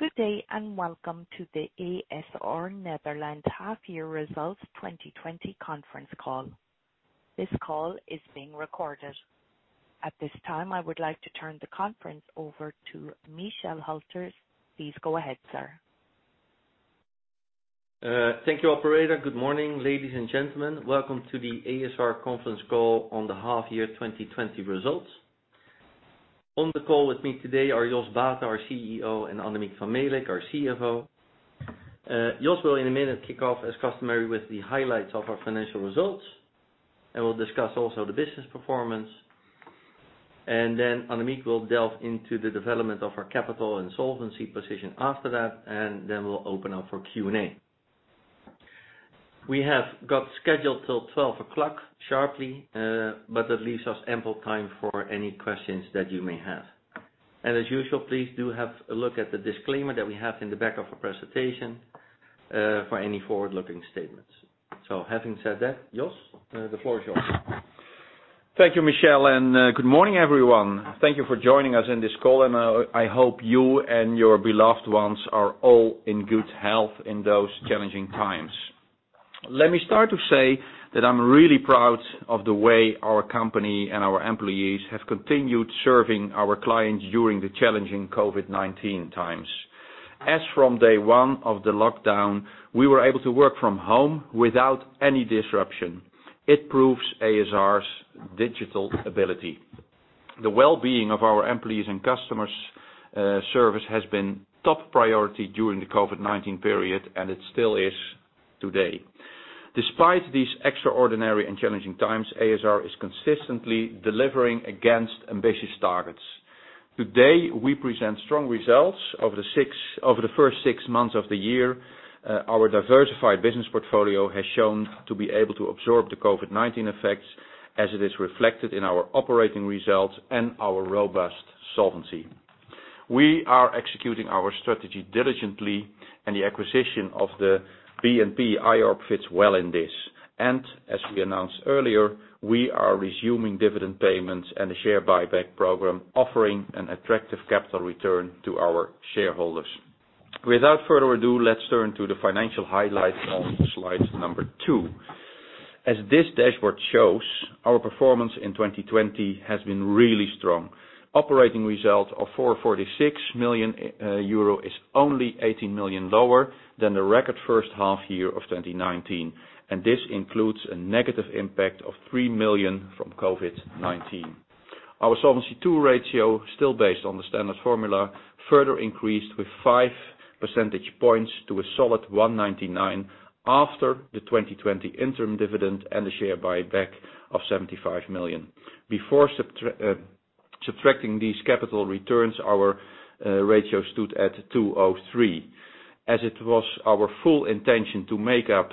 Good day, welcome to the ASR Nederland Half Year Results 2020 Conference Call. This call is being recorded. At this time, I would like to turn the conference over to Michel Hülters. Please go ahead, sir. Thank you, operator. Good morning, ladies and gentlemen. Welcome to the ASR conference call on the half year 2020 results. On the call with me today are Jos Baeten, our CEO, and Annemiek van Melick, our CFO. Jos will in a minute kick off as customary with the highlights of our financial results. We'll discuss also the business performance. Then Annemiek will delve into the development of our capital and solvency position after that. Then we'll open up for Q&A. We have got scheduled till 12:00 P.M. sharply. That leaves us ample time for any questions that you may have. As usual, please do have a look at the disclaimer that we have in the back of our presentation, for any forward-looking statements. Having said that, Jos, the floor is yours. Thank you, Michel, and good morning, everyone. Thank you for joining us on this call, and I hope you and your beloved ones are all in good health in those challenging times. Let me start to say that I'm really proud of the way our company and our employees have continued serving our clients during the challenging COVID-19 times. As from day one of the lockdown, we were able to work from home without any disruption. It proves ASR's digital ability. The well-being of our employees and customers' service has been top priority during the COVID-19 period, and it still is today. Despite these extraordinary and challenging times, ASR is consistently delivering against ambitious targets. Today, we present strong results over the first six months of the year. Our diversified business portfolio has shown to be able to absorb the COVID-19 effects as it is reflected in our operating results and our robust solvency. We are executing our strategy diligently, and the acquisition of the Brand New Day IORP fits well in this. As we announced earlier, we are resuming dividend payments and a share buyback program offering an attractive capital return to our shareholders. Without further ado, let's turn to the financial highlights on slide number two. As this dashboard shows, our performance in 2020 has been really strong. Operating result of 446 million euro is only 18 million lower than the record first half year of 2019, and this includes a negative impact of 3 million from COVID-19. Our Solvency II ratio, still based on the standard formula, further increased with five percentage points to a solid 199 after the 2020 interim dividend and the share buyback of 75 million. Before subtracting these capital returns, our ratio stood at 203. As it was our full intention to make up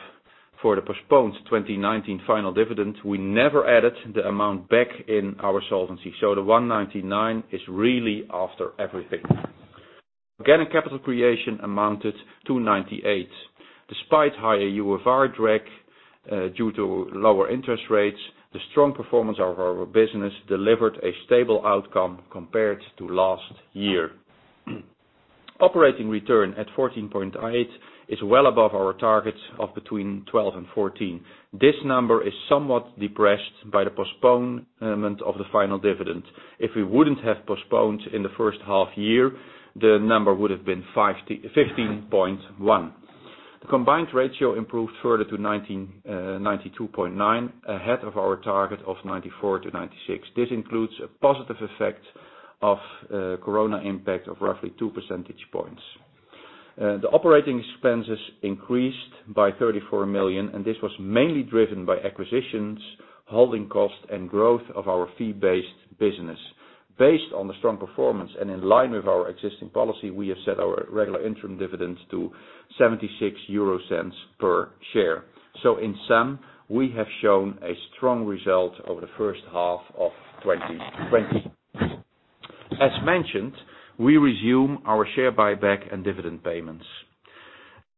for the postponed 2019 final dividend, we never added the amount back in our solvency. The 199 is really after everything. Again, capital creation amounted to 98 million. Despite higher UFR drag due to lower interest rates, the strong performance of our business delivered a stable outcome compared to last year. Operating return at 14.8% is well above our targets of between 12% and 14%. This number is somewhat depressed by the postponement of the final dividend. If we wouldn't have postponed in the first half year, the number would've been 15.1%. The combined ratio improved further to 92.9%, ahead of our target of 94%-96%. This includes a positive effect of COVID-19 impact of roughly two percentage points. The operating expenses increased by 34 million, this was mainly driven by acquisitions, holding cost, and growth of our fee-based business. Based on the strong performance and in line with our existing policy, we have set our regular interim dividends to 0.76 per share. In sum, we have shown a strong result over first half of 2020. As mentioned, we resume our share buyback and dividend payments.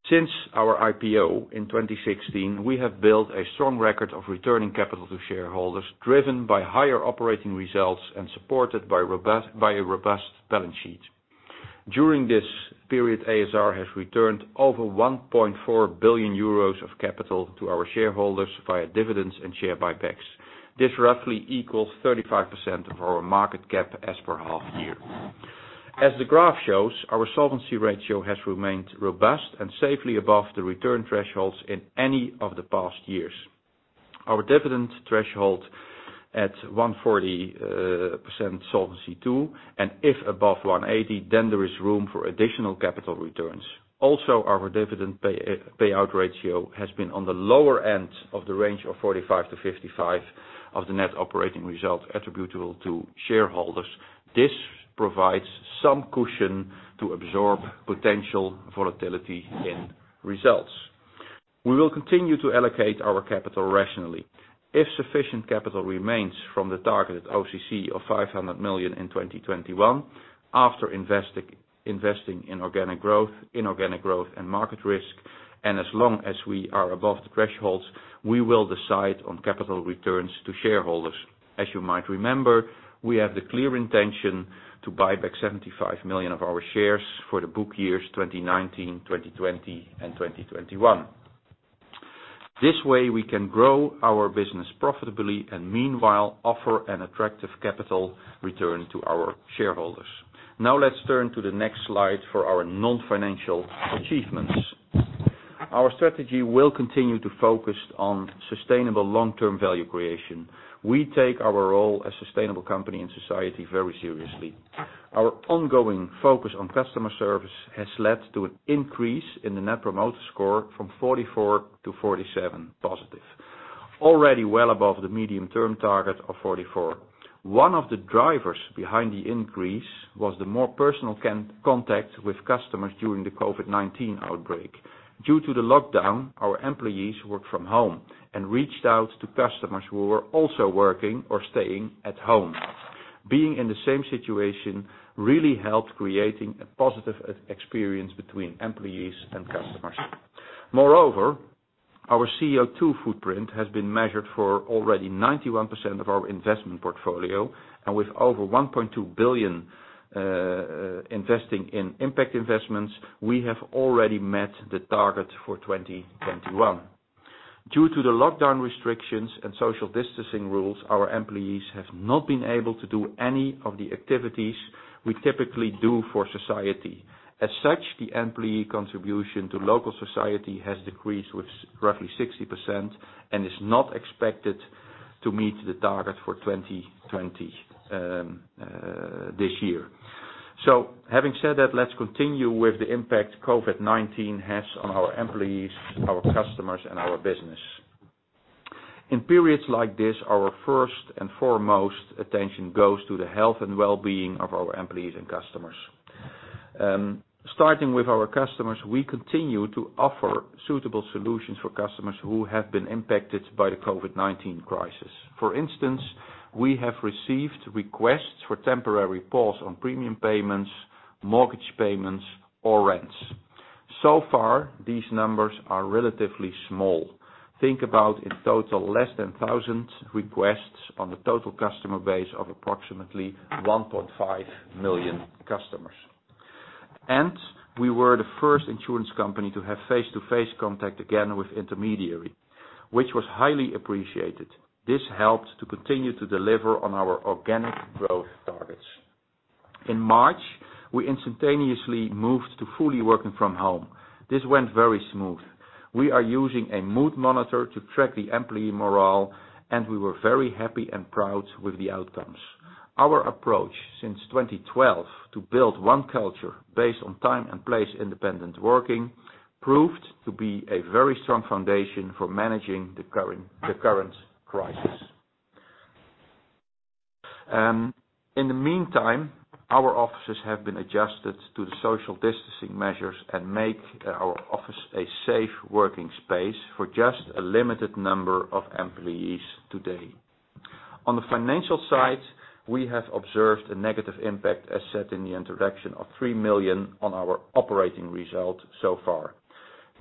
Since our IPO in 2016, we have built a strong record of returning capital to shareholders, driven by higher operating results and supported by a robust balance sheet. During this period, ASR has returned over 1.4 billion euros of capital to our shareholders via dividends and share buybacks. This roughly equals 35% of our market cap as per half year. As the graph shows, our solvency ratio has remained robust and safely above the return thresholds in any of the past years. Our dividend threshold at 140% Solvency II. If above 180%, there is room for additional capital returns. Our dividend payout ratio has been on the lower end of the range of 45%-55% of the net operating results attributable to shareholders. This provides some cushion to absorb potential volatility in results. We will continue to allocate our capital rationally. If sufficient capital remains from the targeted OCC of 500 million in 2021 after investing in organic growth, inorganic growth, and market risk, as long as we are above the thresholds, we will decide on capital returns to shareholders. As you might remember, we have the clear intention to buy back 75 million of our shares for the book years 2019, 2020, and 2021. This way, we can grow our business profitably and meanwhile offer an attractive capital return to our shareholders. Now let's turn to the next slide for our non-financial achievements. Our strategy will continue to focus on sustainable long-term value creation. We take our role as sustainable company in society very seriously. Our ongoing focus on customer service has led to an increase in the net promoter score from 44 to +47. Already well above the medium-term target of 44. One of the drivers behind the increase was the more personal contact with customers during the COVID-19 outbreak. Due to the lockdown, our employees worked from home and reached out to customers who were also working or staying at home. Being in the same situation really helped creating a positive experience between employees and customers. Moreover, our CO2 footprint has been measured for already 91% of our investment portfolio, and with over 1.2 billion investing in impact investments, we have already met the target for 2021. Due to the lockdown restrictions and social distancing rules, our employees have not been able to do any of the activities we typically do for society. As such, the employee contribution to local society has decreased with roughly 60% and is not expected to meet the target for 2020, this year. Having said that, let's continue with the impact COVID-19 has on our employees, our customers, and our business. In periods like this, our first and foremost attention goes to the health and well-being of our employees and customers. Starting with our customers, we continue to offer suitable solutions for customers who have been impacted by the COVID-19 crisis. For instance, we have received requests for temporary pause on premium payments, mortgage payments, or rents. So far, these numbers are relatively small. Think about, in total, less than 1,000 requests on the total customer base of approximately 1.5 million customers. We were the first insurance company to have face-to-face contact again with intermediary, which was highly appreciated. This helped to continue to deliver on our organic growth targets. In March, we instantaneously moved to fully working from home. This went very smooth. We are using a mood monitor to track the employee morale, and we were very happy and proud with the outcomes. Our approach since 2012 to build one culture based on time and place-independent working proved to be a very strong foundation for managing the current crisis. In the meantime, our offices have been adjusted to the social distancing measures and make our office a safe working space for just a limited number of employees today. On the financial side, we have observed a negative impact, as said in the introduction, of 3 million on our operating result so far.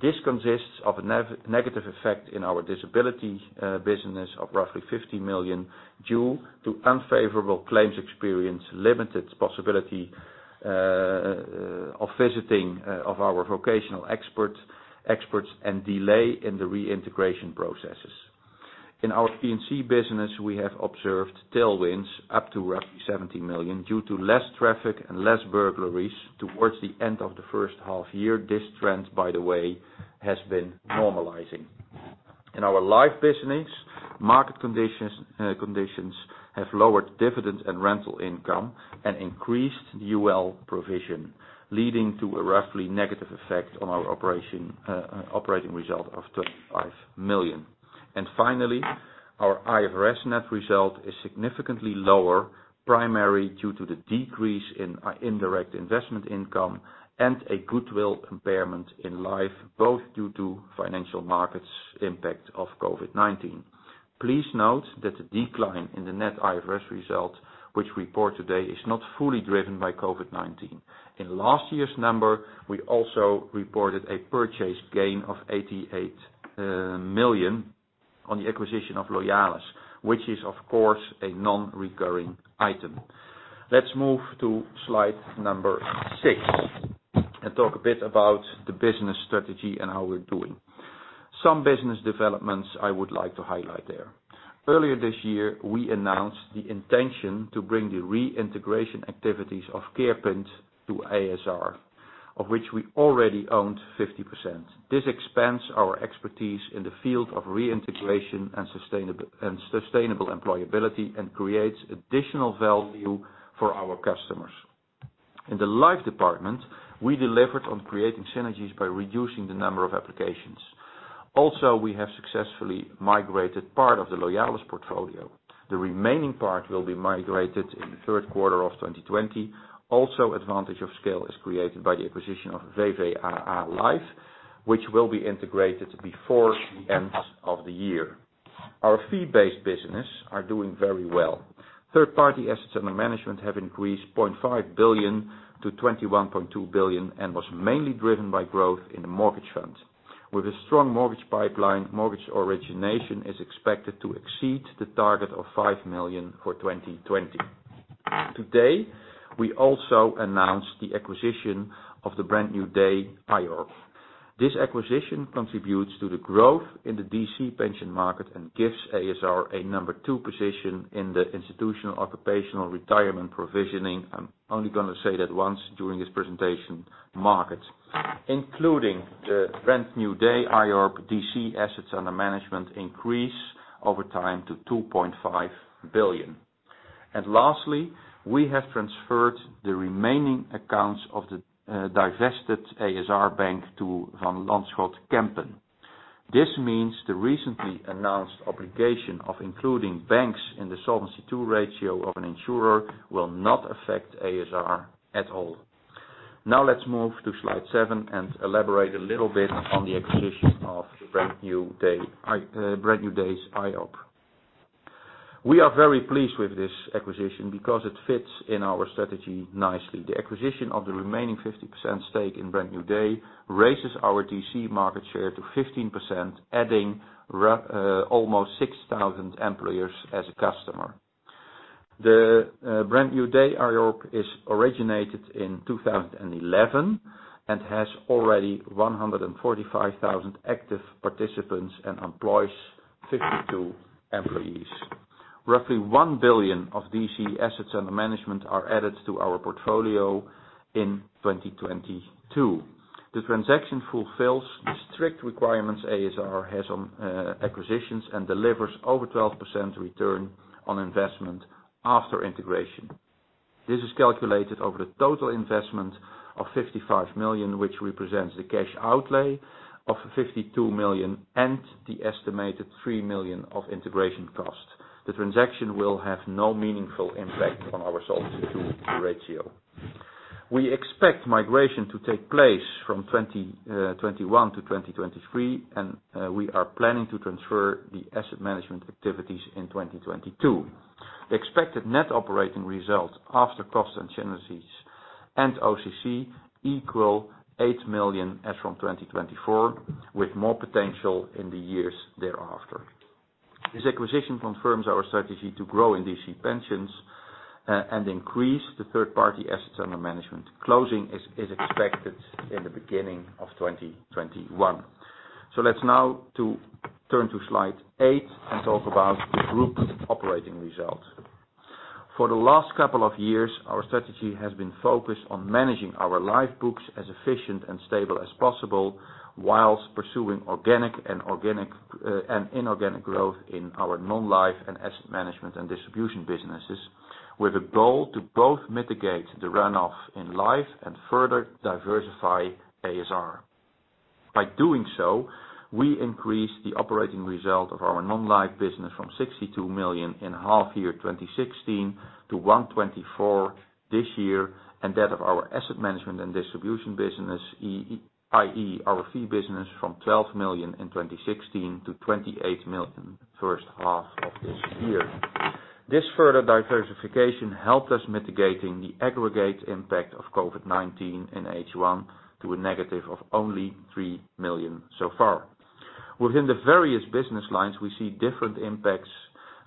This consists of a negative effect in our disability business of roughly 50 million due to unfavorable claims experience, limited possibility of visiting of our vocational experts, and delay in the reintegration processes. In our P&C business, we have observed tailwinds up to roughly 70 million due to less traffic and less burglaries. Towards the end of the first half year, this trend, by the way, has been normalizing. In our life business, market conditions have lowered dividend and rental income and increased UL provision, leading to a roughly negative effect on our operating result of 25 million. Finally, our IFRS net result is significantly lower, primarily due to the decrease in indirect investment income and a goodwill impairment in life, both due to financial markets impact of COVID-19. Please note that the decline in the net IFRS result which we report today is not fully driven by COVID-19. In last year's number, we also reported a purchase gain of 88 million on the acquisition of Loyalis, which is, of course, a non-recurring item. Let's move to slide number six and talk a bit about the business strategy and how we're doing. Some business developments I would like to highlight there. Earlier this year, we announced the intention to bring the reintegration activities of Keerpunt to ASR, of which we already owned 50%. This expands our expertise in the field of reintegration and sustainable employability and creates additional value for our customers. In the life department, we delivered on creating synergies by reducing the number of applications. We have successfully migrated part of the Loyalis portfolio. The remaining part will be migrated in the third quarter of 2020. Advantage of scale is created by the acquisition of VVAA Levensverzekeringen, which will be integrated before the end of the year. Our fee-based business are doing very well. Third-party assets under management have increased 0.5 billion to 21.2 billion and was mainly driven by growth in the mortgage fund. With a strong mortgage pipeline, mortgage origination is expected to exceed the target of 5 million for 2020. Today, we also announced the acquisition of the Brand New Day IORP. This acquisition contributes to the growth in the DC pension market and gives ASR a number two position in the institutional occupational retirement provisioning. I'm only going to say that once during this presentation, markets. Including the Brand New Day IORP DC assets under management increase over time to 2.5 billion. Lastly, we have transferred the remaining accounts of the divested a.s.r. bank to Van Lanschot Kempen. This means the recently announced obligation of including banks in the Solvency II ratio of an insurer will not affect ASR at all. Let's move to slide seven and elaborate a little bit on the acquisition of the Brand New Day IORP. We are very pleased with this acquisition because it fits in our strategy nicely. The acquisition of the remaining 50% stake in Brand New Day raises our DC market share to 15%, adding almost 6,000 employers as a customer. The Brand New Day IORP is originated in 2011 and has already 145,000 active participants and employs 52 employees. Roughly 1 billion of DC assets under management are added to our portfolio in 2022. The transaction fulfills the strict requirements ASR has on acquisitions and delivers over 12% return on investment after integration. This is calculated over the total investment of 55 million, which represents the cash outlay of 52 million and the estimated 3 million of integration cost. The transaction will have no meaningful impact on our Solvency II ratio. We expect migration to take place from 2021 to 2023, and we are planning to transfer the asset management activities in 2022. The expected net operating results after cost and synergies and OCC equal 8 million as from 2024, with more potential in the years thereafter. This acquisition confirms our strategy to grow in DC pensions and increase the third-party assets under management. Closing is expected in the beginning of 2021. Let's now turn to slide eight and talk about group operating results. For the last couple of years, our strategy has been focused on managing our life books as efficient and stable as possible whilst pursuing organic and inorganic growth in our non-life and asset management and distribution businesses, with a goal to both mitigate the runoff in life and further diversify ASR. By doing so, we increased the operating result of our non-life business from 62 million in half year 2016 to 124 this year, and that of our asset management and distribution business, i.e. our fee business, from 12 million in 2016 to 28 million first half of this year. This further diversification helped us mitigating the aggregate impact of COVID-19 in H1 to a negative of only 3 million so far. Within the various business lines, we see different impacts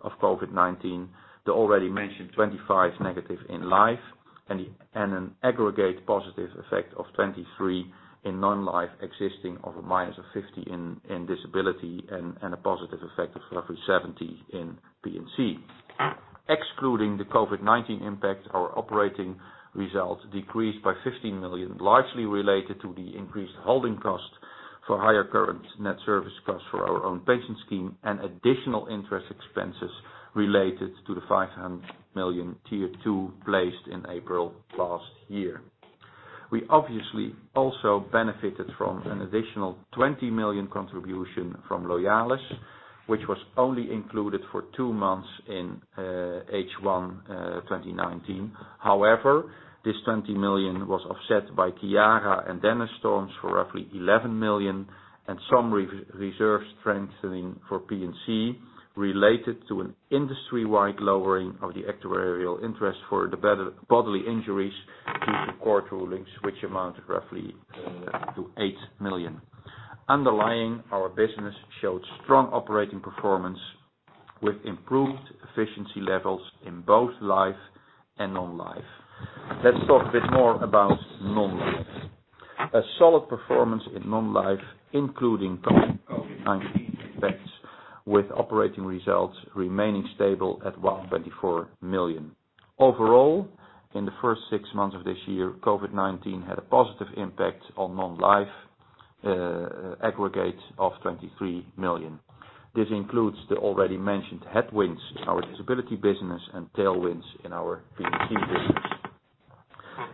of COVID-19. The already mentioned 25 negative in life and an aggregate positive effect of 23 in non-life existing of a minus of 50 in disability and a positive effect of roughly 70 in P&C. Excluding the COVID-19 impact, our operating results decreased by 15 million, largely related to the increased holding cost for higher current net service costs for our own pension scheme and additional interest expenses related to the 500 million tier 2 placed in April last year. We obviously also benefited from an additional 20 million contribution from Loyalis, which was only included for two months in H1 2019. However, this 20 million was offset by Ciara and Dennis storms for roughly 11 million and some reserve strengthening for P&C related to an industry-wide lowering of the actuarial interest for the bodily injuries due to court rulings, which amount roughly to 8 million. Underlying, our business showed strong operating performance with improved efficiency levels in both life and non-life. Let's talk a bit more about non-life. A solid performance in non-life, including COVID-19 effects, with operating results remaining stable at 124 million. Overall, in the first six months of this year, COVID-19 had a positive impact on non-life aggregate of 23 million. This includes the already mentioned headwinds in our disability business and tailwinds in our P&C business.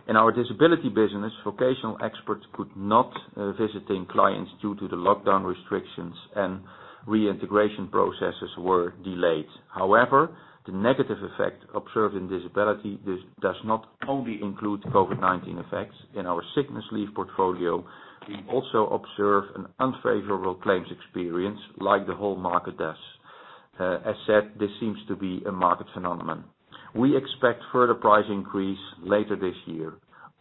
In our disability business, vocational experts could not visiting clients due to the lockdown restrictions and reintegration processes were delayed. However, the negative effect observed in disability does not only include COVID-19 effects. In our sickness leave portfolio, we also observe an unfavorable claims experience like the whole market does. As said, this seems to be a market phenomenon. We expect further price increase later this year.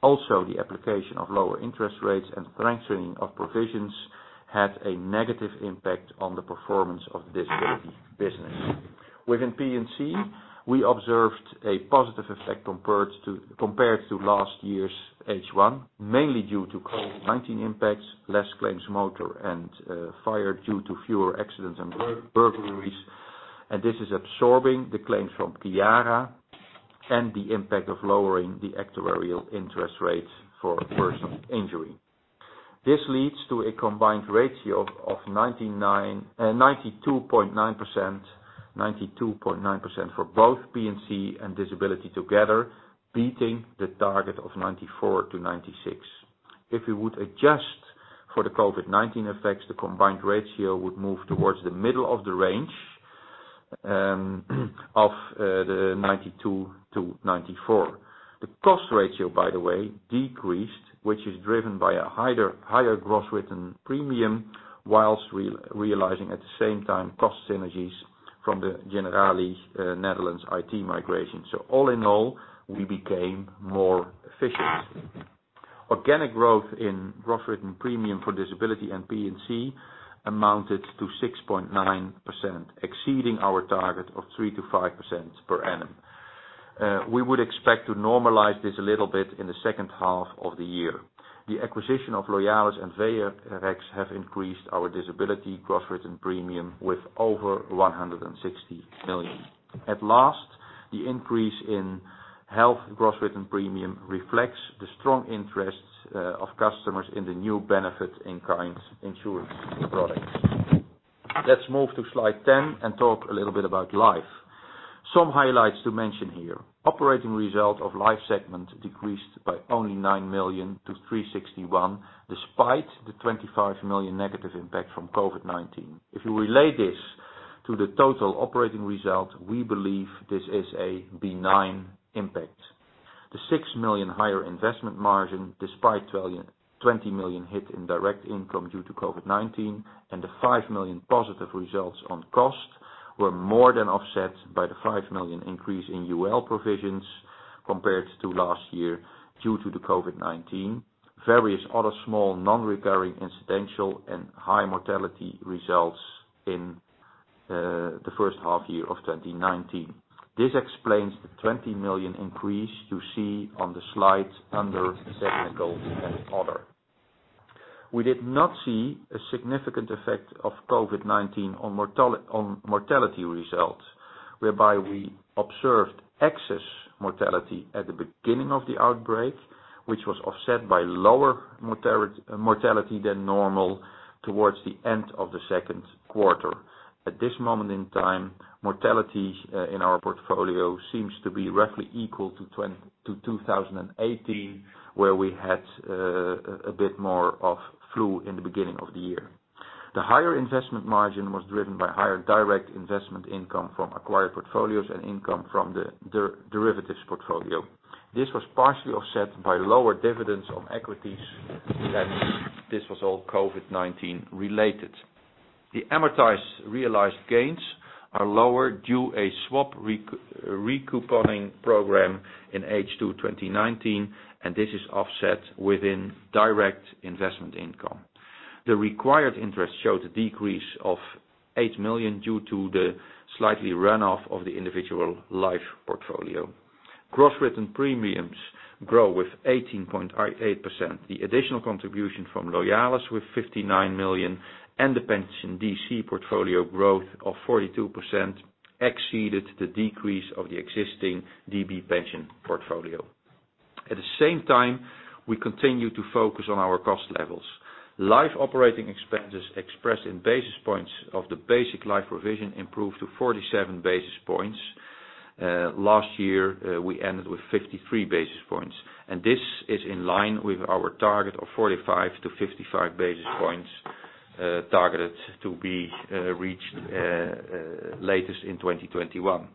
Also, the application of lower interest rates and strengthening of provisions had a negative impact on the performance of disability business. Within P&C, we observed a positive effect compared to last year's H1, mainly due to COVID-19 impacts, less claims motor and fire due to fewer accidents and burglaries. This is absorbing the claims from Ciara and the impact of lowering the actuarial interest rates for personal injury. This leads to a combined ratio of 92.9% for both P&C and disability together, beating the target of 94%-96%. If we would adjust for the COVID-19 effects, the combined ratio would move towards the middle of the range of the 92%-94%. The cost ratio, by the way, decreased, which is driven by a higher gross written premium, whilst realizing at the same time cost synergies from the Generali Nederland IT migration. All in all, we became more efficient. Organic growth in gross written premium for disability and P&C amounted to 6.9%, exceeding our target of 3%-5% per annum. We would expect to normalize this a little bit in the second half of the year. The acquisition of Loyalis and Veherex have increased our disability gross written premium with over 160 million. At last, the increase in health gross written premium reflects the strong interest of customers in the new benefit in kind insurance product. Let's move to slide 10 and talk a little bit about life. Some highlights to mention here. Operating result of life segment decreased by only 9 million to 361, despite the 25 million negative impact from COVID-19. If we relate this to the total operating result, we believe this is a benign impact. The 6 million higher investment margin, despite 20 million hit in direct income due to COVID-19, and the 5 million positive results on cost, were more than offset by the 5 million increase in UL provisions compared to last year due to the COVID-19. Various other small non-recurring incidental and high mortality results in the first half year of 2019. This explains the 20 million increase you see on the slide under segment goals and other. We did not see a significant effect of COVID-19 on mortality results, whereby we observed excess mortality at the beginning of the outbreak, which was offset by lower mortality than normal towards the end of the second quarter. At this moment in time, mortality in our portfolio seems to be roughly equal to 2018, where we had a bit more of flu in the beginning of the year. The higher investment margin was driven by higher direct investment income from acquired portfolios and income from the derivatives portfolio. This was partially offset by lower dividends on equities, and this was all COVID-19 related. The amortized realized gains are lower due a swap re-couponing program in H2 2019, and this is offset within direct investment income. The required interest showed a decrease of 8 million due to the slightly runoff of the individual life portfolio. Gross written premiums grow with 18.8%. The additional contribution from Loyalis with 59 million and the pension DC portfolio growth of 42% exceeded the decrease of the existing DB pension portfolio. At the same time, we continue to focus on our cost levels. Life operating expenses expressed in basis points of the basic life provision improved to 47 basis points. Last year, we ended with 53 basis points, and this is in line with our target of 45 to 55 basis points targeted to be reached latest in 2021.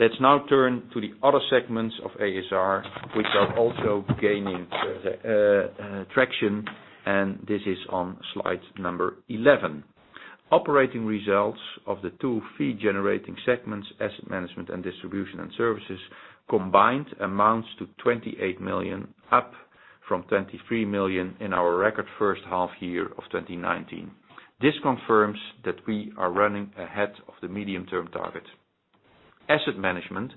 Let's now turn to the other segments of ASR, which are also gaining traction, and this is on slide number 11. Operating results of the two fee-generating segments, asset management and distribution and services, combined amounts to 28 million, up from 23 million in our record first half year of 2019. This confirms that we are running ahead of the medium-term target. Asset management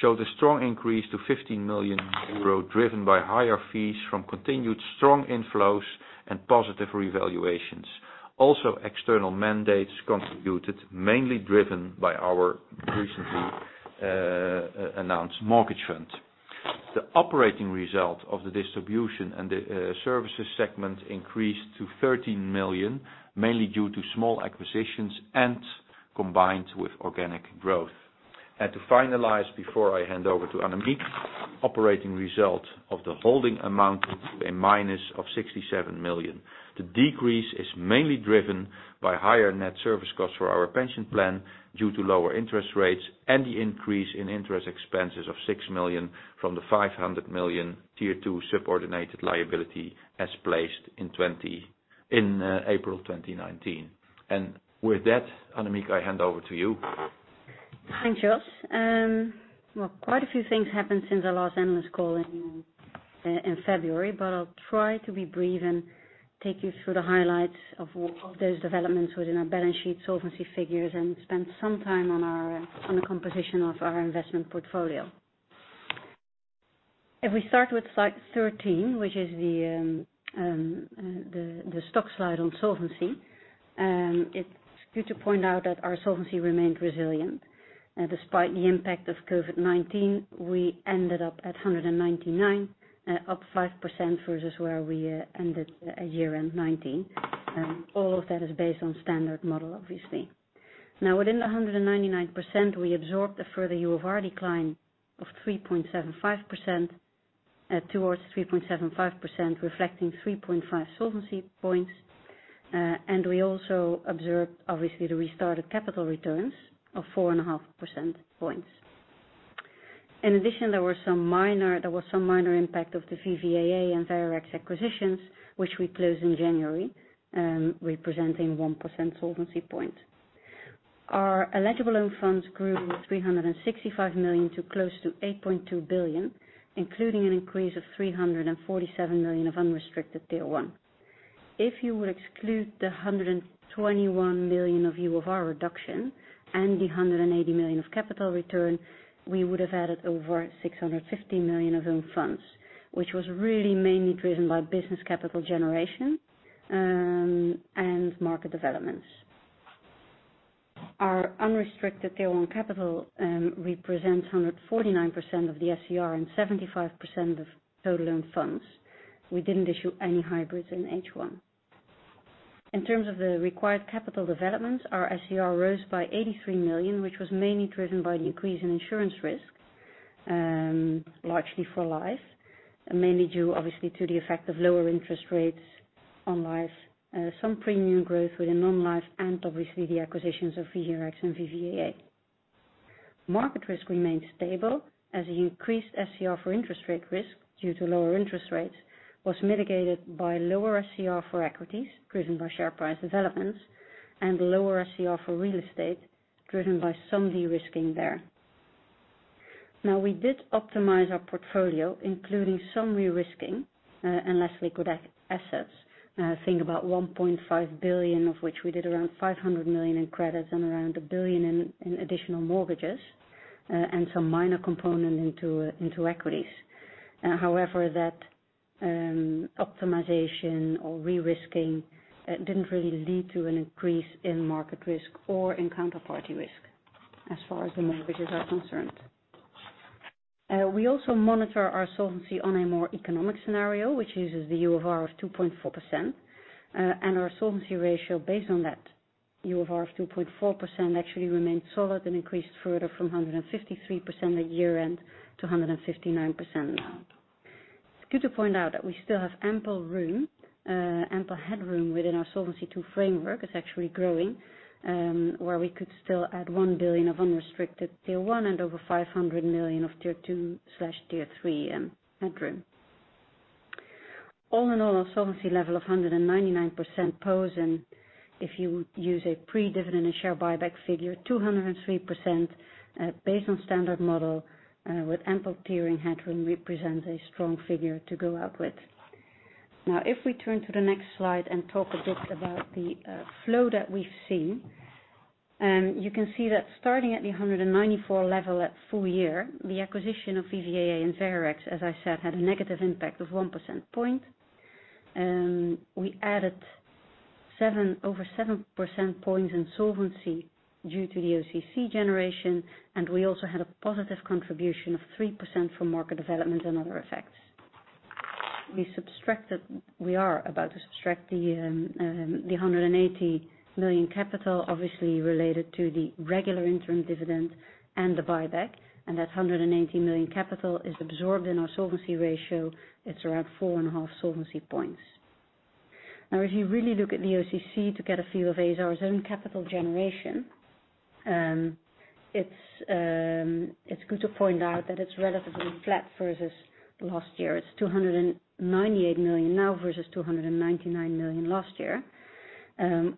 showed a strong increase to 15 million euro, driven by higher fees from continued strong inflows and positive revaluations. External mandates contributed, mainly driven by our recently announced mortgage fund. The operating result of the distribution and the services segment increased to 13 million, mainly due to small acquisitions and combined with organic growth. To finalize, before I hand over to Annemiek, operating result of the holding amounted to a minus of 67 million. The decrease is mainly driven by higher net service costs for our pension plan due to lower interest rates and the increase in interest expenses of 6 million from the 500 million tier 2 subordinated liability as placed in 20 in April 2019. With that, Annemiek, I hand over to you. Thanks, Jos. Quite a few things happened since our last analyst call in February. I'll try to be brief and take you through the highlights of those developments within our balance sheet solvency figures and spend some time on the composition of our investment portfolio. If we start with slide 13, which is the stock slide on solvency, it's good to point out that our solvency remained resilient. Despite the impact of COVID-19, we ended up at 199%, up 5% versus where we ended at year-end 2019. All of that is based on standard model, obviously. Within the 199%, we absorbed a further UFR decline towards 3.75%, reflecting 3.5 solvency points. We also observed, obviously, the restarted capital returns of 4.5% points. In addition, there was some minor impact of the VVAA and Veherex acquisitions, which we closed in January, representing 1% solvency point. Our eligible own funds grew from 365 million to close to 8.2 billion, including an increase of 347 million of unrestricted tier 1. If you would exclude the 121 million of UFR reduction and the 180 million of capital return, we would have added over 650 million of own funds, which was really mainly driven by business capital generation and market developments. Our unrestricted tier 1 capital represents 149% of the SCR and 75% of total own funds. We didn't issue any hybrids in H1. In terms of the required capital developments, our SCR rose by 83 million, which was mainly driven by the increase in insurance risk, largely for life, mainly due obviously to the effect of lower interest rates on life, some premium growth within non-life, and obviously the acquisitions of Veherex and VVAA. Market risk remained stable as the increased SCR for interest rate risk due to lower interest rates was mitigated by lower SCR for equities, driven by share price developments, and lower SCR for real estate, driven by some de-risking there. Now, we did optimize our portfolio, including some de-risking and less liquid assets. Think about 1.5 billion, of which we did around 500 million in credits and around 1 billion in additional mortgages, and some minor component into equities. However, that optimization or de-risking didn't really lead to an increase in market risk or in counterparty risk, as far as the mortgages are concerned. We also monitor our solvency on a more economic scenario, which uses the UFR of 2.4%, and our solvency ratio based on that UFR of 2.4% actually remained solid and increased further from 153% at year-end to 159% now. It is good to point out that we still have ample headroom within our Solvency II framework. It is actually growing, where we could still add 1 billion of unrestricted tier 1 and over 500 million of tier 2/tier 3 headroom. All in all, our solvency level of 199% post an, if you use a pre-dividend and share buyback figure, 203%, based on standard model with ample tiering headroom represents a strong figure to go out with. Now, if we turn to the next slide and talk a bit about the flow that we have seen. You can see that starting at the 194 level at full year, the acquisition of VVAA and Veherex, as I said, had a negative impact of 1% point. We added over 7% points in solvency due to the OCC generation, and we also had a positive contribution of 3% from market development and other effects. We are about to subtract the 180 million capital obviously related to the regular interim dividend and the buyback. That 180 million capital is absorbed in our solvency ratio. It's around four and a half solvency points. If you really look at the OCC to get a view of a.s.r.'s own capital generation, it's good to point out that it's relatively flat versus last year. It's 298 million now versus 299 million last year,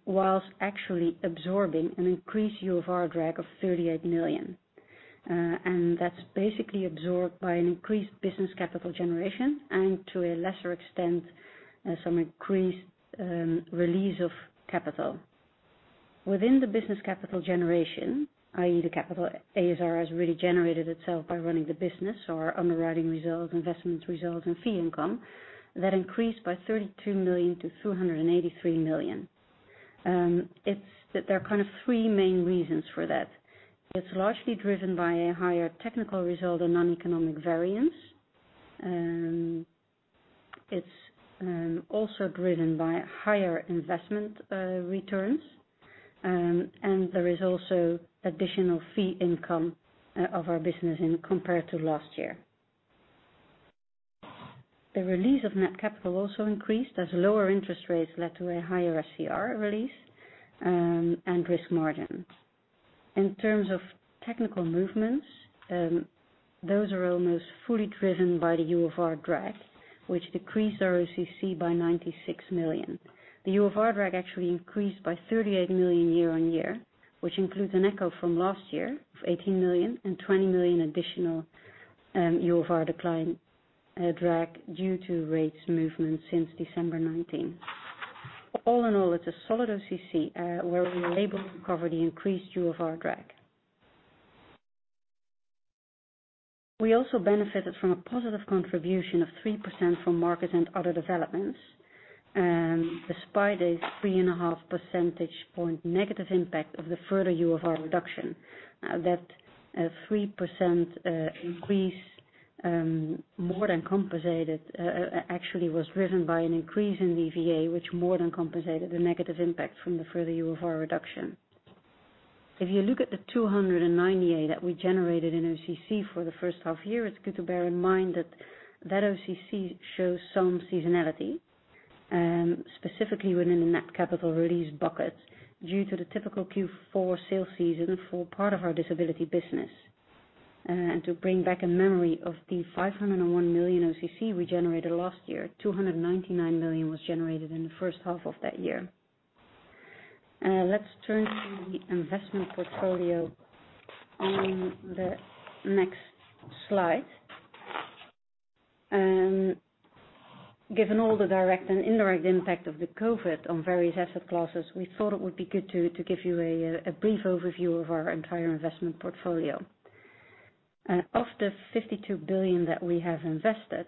whilst actually absorbing an increased UFR drag of 38 million. That's basically absorbed by an increased business capital generation and to a lesser extent, some increased release of capital. Within the business capital generation, i.e., the capital a.s.r. has really generated itself by running the business or underwriting results, investment results, and fee income, that increased by 32 million to 283 million. There are three main reasons for that. It's largely driven by a higher technical result and non-economic variance. It's also driven by higher investment returns. There is also additional fee income of our business compared to last year. The release of net capital also increased as lower interest rates led to a higher SCR release and risk margin. In terms of technical movements, those are almost fully driven by the UFR drag, which decreased our OCC by 96 million. The UFR drag actually increased by 38 million year-on-year, which includes an echo from last year of 18 million and 20 million additional UFR decline drag due to rates movement since December 2019. All in all, it's a solid OCC, where we were able to cover the increased UFR drag. We also benefited from a positive contribution of 3% from markets and other developments, despite a 3.5 percentage point negative impact of the further UFR reduction. That 3% increase actually was driven by an increase in the VA, which more than compensated the negative impact from the further UFR reduction. If you look at the 298 that we generated in OCC for the first half year, it is good to bear in mind that that OCC shows some seasonality, specifically within the net capital release buckets due to the typical Q4 sales season for part of our disability business. To bring back a memory of the 501 million OCC we generated last year, 299 million was generated in the first half of that year. Let's turn to the investment portfolio on the next slide. Given all the direct and indirect impact of the COVID-19 on various asset classes, we thought it would be good to give you a brief overview of our entire investment portfolio. Of the 52 billion that we have invested,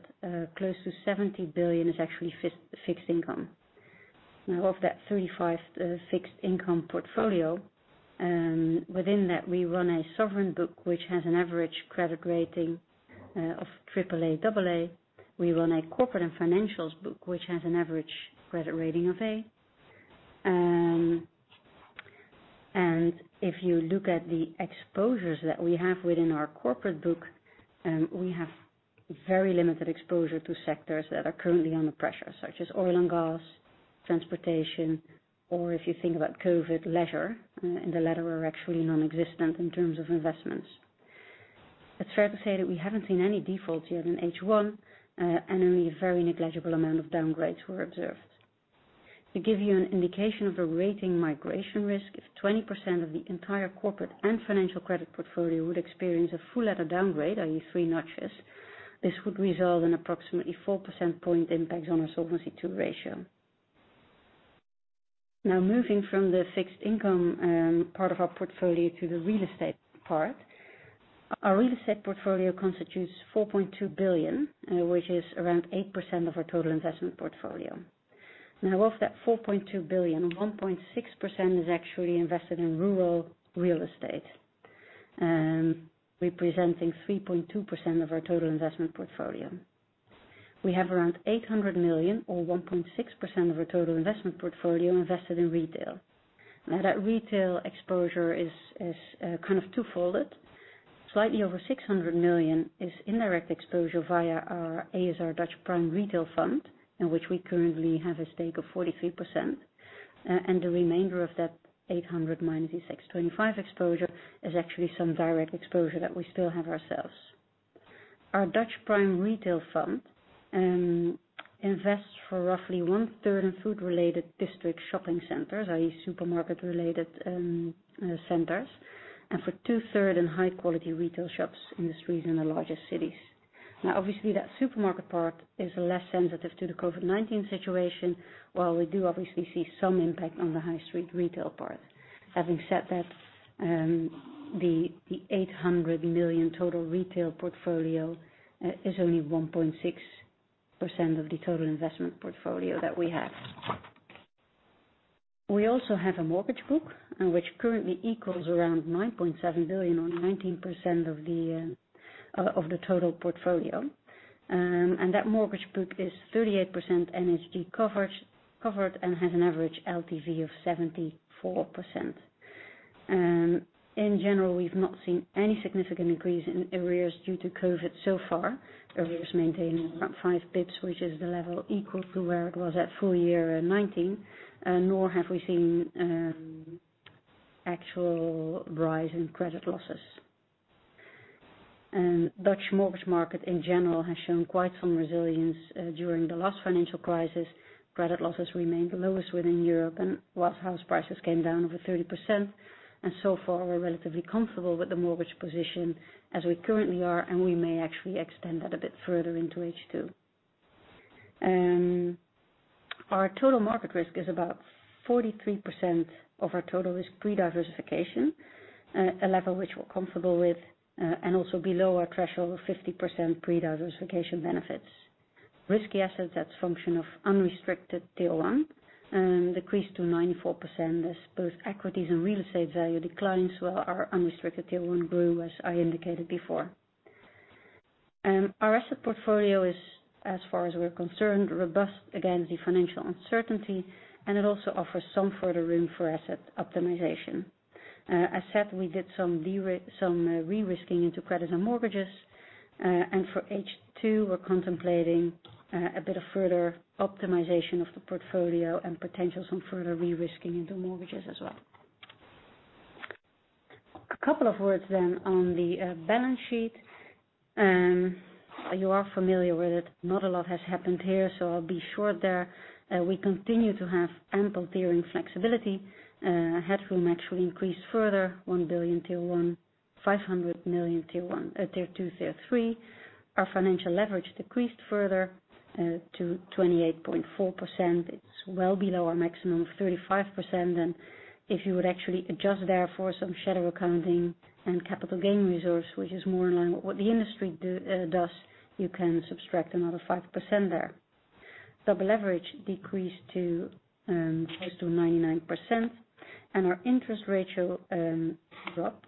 close to 70 billion is actually fixed income. Of that 35 fixed income portfolio, within that we run a sovereign book, which has an average credit rating of AAA, AA. We run a corporate and financials book, which has an average credit rating of A. If you look at the exposures that we have within our corporate book, we have very limited exposure to sectors that are currently under pressure, such as oil and gas, transportation, or if you think about COVID, leisure. In the latter are actually nonexistent in terms of investments. It's fair to say that we haven't seen any defaults yet in H1, and only a very negligible amount of downgrades were observed. To give you an indication of the rating migration risk, if 20% of the entire corporate and financial credit portfolio would experience a full letter downgrade, i.e., three notches, this would result in approximately 4% point impact on our Solvency II ratio. Now moving from the fixed income part of our portfolio to the real estate part. Our real estate portfolio constitutes 4.2 billion, which is around 8% of our total investment portfolio. Now, of that 4.2 billion, 1.6% is actually invested in rural real estate, representing 3.2% of our total investment portfolio. We have around 800 million or 1.6% of our total investment portfolio invested in retail. Now that retail exposure is kind of twofold. Slightly over 600 million is indirect exposure via our ASR Dutch Prime Retail Fund, in which we currently have a stake of 43%, and the remainder of that 800 minus this 625 exposure is actually some direct exposure that we still have ourselves. Our ASR Dutch Prime Retail Fund invests for roughly 1/3 in food-related district shopping centers, i.e., supermarket-related centers, and for 2/3 in high-quality retail shops in the streets in the largest cities. Now obviously, that supermarket part is less sensitive to the COVID-19 situation, while we do obviously see some impact on the high street retail part. Having said that, the 800 million total retail portfolio is only 1.6% of the total investment portfolio that we have. We also have a mortgage book, which currently equals around 9.7 billion or 19% of the total portfolio. That mortgage book is 38% NHG covered and has an average LTV of 74%. In general, we've not seen any significant increase in arrears due to COVID so far. Arrears maintaining around 5 bps, which is the level equal to where it was at full year in 2019, nor have we seen actual rise in credit losses. Dutch mortgage market in general has shown quite some resilience during the last financial crisis. Credit losses remained lowest within Europe and house prices came down over 30%, and so far we're relatively comfortable with the mortgage position as we currently are, and we may actually extend that a bit further into H2. Our total market risk is about 43% of our total risk pre-diversification, a level which we're comfortable with, and also below our threshold of 50% pre-diversification benefits. Risky assets, that's function of unrestricted tier 1, decreased to 94% as both equities and real estate value declines while our unrestricted tier 1 grew, as I indicated before. Our asset portfolio is, as far as we're concerned, robust against the financial uncertainty, and it also offers some further room for asset optimization. As said, we did some re-risking into credits and mortgages. For H2, we're contemplating a bit of further optimization of the portfolio and potential some further re-risking into mortgages as well. A couple of words on the balance sheet. You are familiar with it. Not a lot has happened here, I'll be short there. We continue to have ample tiering flexibility. Headroom actually increased further, 1 billion, tier 1, 500 million, tier 2, tier 3. Our financial leverage decreased further to 28.4%. It's well below our maximum of 35%. If you would actually adjust there for some shadow accounting and capital gain reserves, which is more in line with what the industry does, you can subtract another 5% there. The leverage decreased close to 99%, and our interest ratio dropped.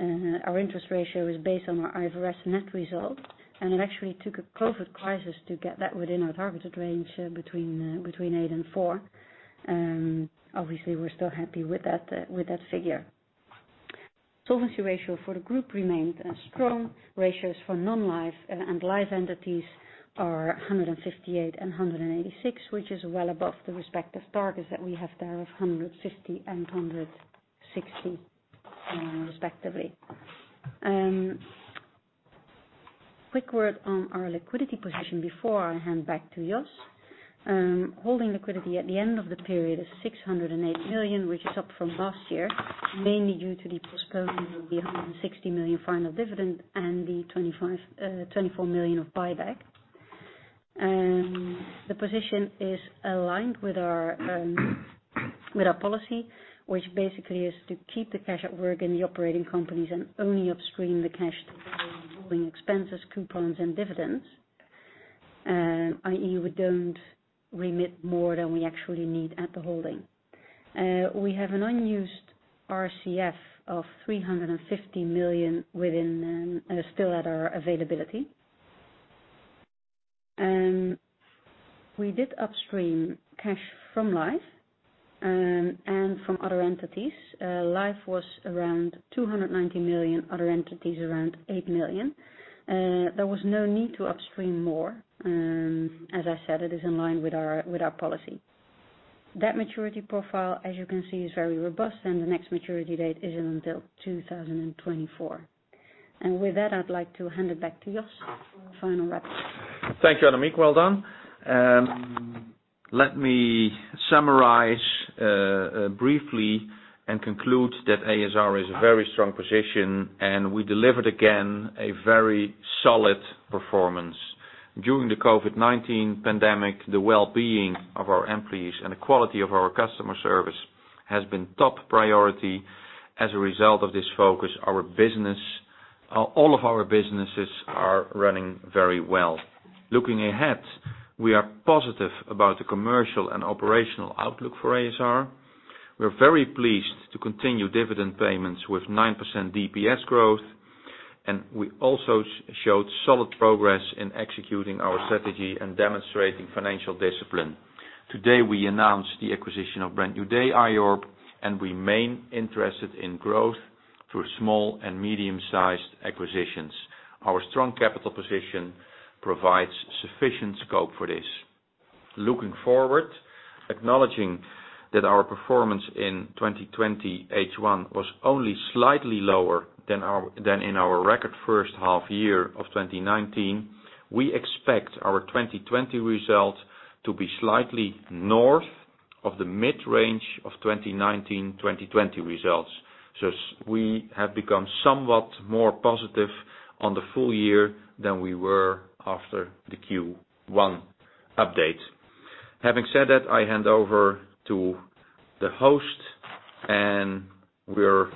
Our interest ratio is based on our IFRS net result, and it actually took a COVID crisis to get that within our targeted range between eight and four. Obviously, we are still happy with that figure. Solvency ratio for the group remained strong. Ratios for non-life and life entities are 158 and 186, which is well above the respective targets that we have there of 150 and 160, respectively. Quick word on our liquidity position before I hand back to Jos. Holding liquidity at the end of the period is 608 million, which is up from last year, mainly due to the postponement of the 160 million final dividend and the 24 million of buyback. The position is aligned with our policy, which basically is to keep the cash at work in the operating companies and only upstream the cash involving expenses, coupons, and dividends. i.e., we don't remit more than we actually need at the holding. We have an unused RCF of 350 million still at our availability. We did upstream cash from life and from other entities. Life was around 290 million, other entities around 8 million. There was no need to upstream more. As I said, it is in line with our policy. That maturity profile, as you can see, is very robust. The next maturity date isn't until 2024. With that, I'd like to hand it back to Jos for final wrap. Thank you, Annemiek. Well done. Let me summarize briefly and conclude that ASR is a very strong position, and we delivered again a very solid performance. During the COVID-19 pandemic, the well-being of our employees and the quality of our customer service has been top priority. As a result of this focus, all of our businesses are running very well. Looking ahead, we are positive about the commercial and operational outlook for ASR. We're very pleased to continue dividend payments with 9% DPS growth, and we also showed solid progress in executing our strategy and demonstrating financial discipline. Today, we announced the acquisition of Brand New Day IORP, and remain interested in growth through small and medium-sized acquisitions. Our strong capital position provides sufficient scope for this. Looking forward, acknowledging that our performance in 2020 H1 was only slightly lower than in our record first half year of 2019, we expect our 2020 result to be slightly north of the mid-range of 2019, 2020 results. We have become somewhat more positive on the full year than we were after the Q1 update. Having said that, I hand over to the host, and we're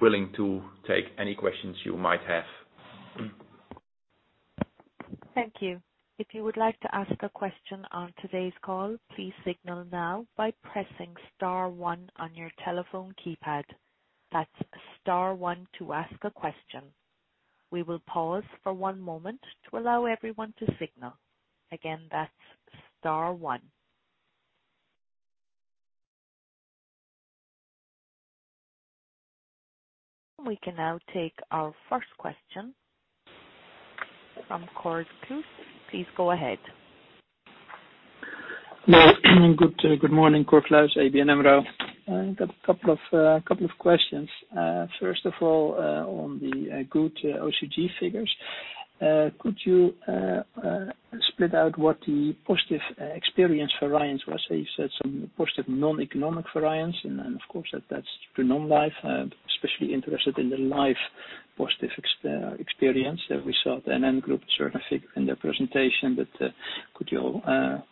willing to take any questions you might have. Thank you. If you would like to ask a question on today's call, please signal now by pressing star one on your telephone keypad. That's star one to ask a question. We will pause for one moment to allow everyone to signal. Again, that's star one. We can now take our first question from Cor Kluis. Please go ahead. Good morning, Cor Kluis, ABN AMRO. I've got a couple of questions. First of all, on the good OCC figures. Could you split out what the positive experience variance was? You said some positive non-economic variance, of course, that's the non-life. I'm especially interested in the life positive experience that we saw the NN Group [certificate] in their presentation. Could you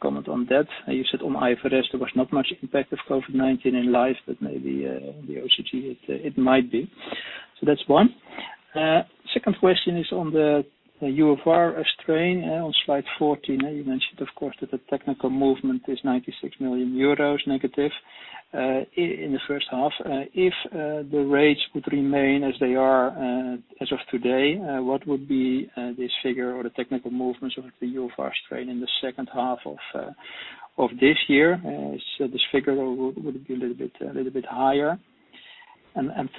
comment on that? You said on IFRS, there was not much impact of COVID-19 in life, maybe on the OCC it might be. That's one. Second question is on the UFR strain on slide 14. You mentioned, of course, that the technical movement is 96 million euros negative in the first half. If the rates would remain as they are as of today, what would be this figure or the technical movements of the UFR strain in the second half of this year? This figure would be a little bit higher.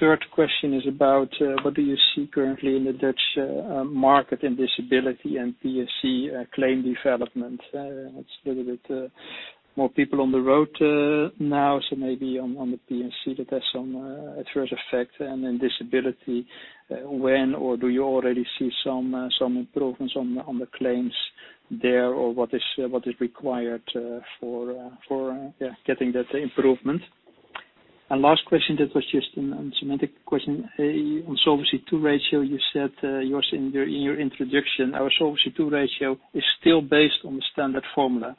Third question is about what do you see currently in the Dutch market in disability and P&C claim development? It's a little bit more people on the road now, maybe on the P&C that has some adverse effect. Disability, when or do you already see some improvements on the claims there? What is required for getting that improvement? Last question, that was just a semantic question. On Solvency II ratio, you said, Jos, in your introduction, our Solvency II ratio is still based on the standard formula.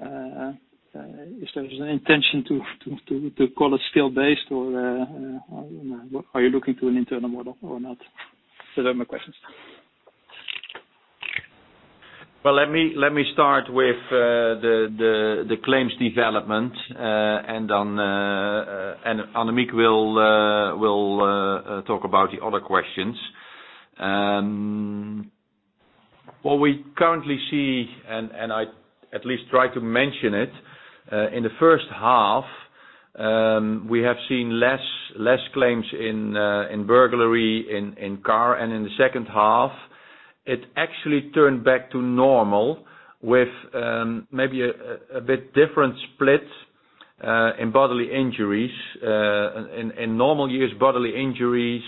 Is there an intention to call it still based or are you looking to an internal model or not? Those are my questions. Well, let me start with the claims development, and then Annemiek will talk about the other questions. What we currently see, and I at least try to mention it, in the first half, we have seen less claims in burglary, in car. In the second half, it actually turned back to normal with maybe a bit different split in bodily injuries. In normal years, bodily injuries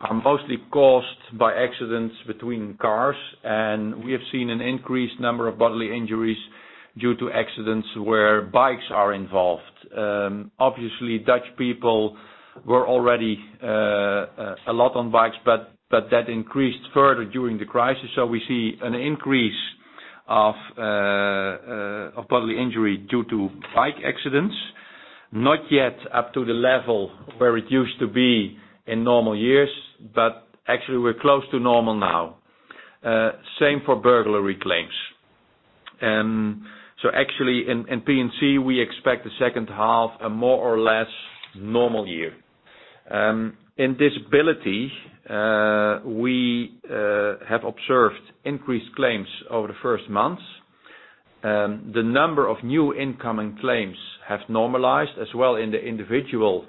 are mostly caused by accidents between cars, and we have seen an increased number of bodily injuries due to accidents where bikes are involved. Obviously, Dutch people were already a lot on bikes, but that increased further during the crisis. We see an increase of bodily injury due to bike accidents. Not yet up to the level where it used to be in normal years, but actually we're close to normal now. Same for burglary claims. Actually in P&C, we expect the second half a more or less normal year. In disability, we have observed increased claims over the first months. The number of new incoming claims have normalized as well in the individual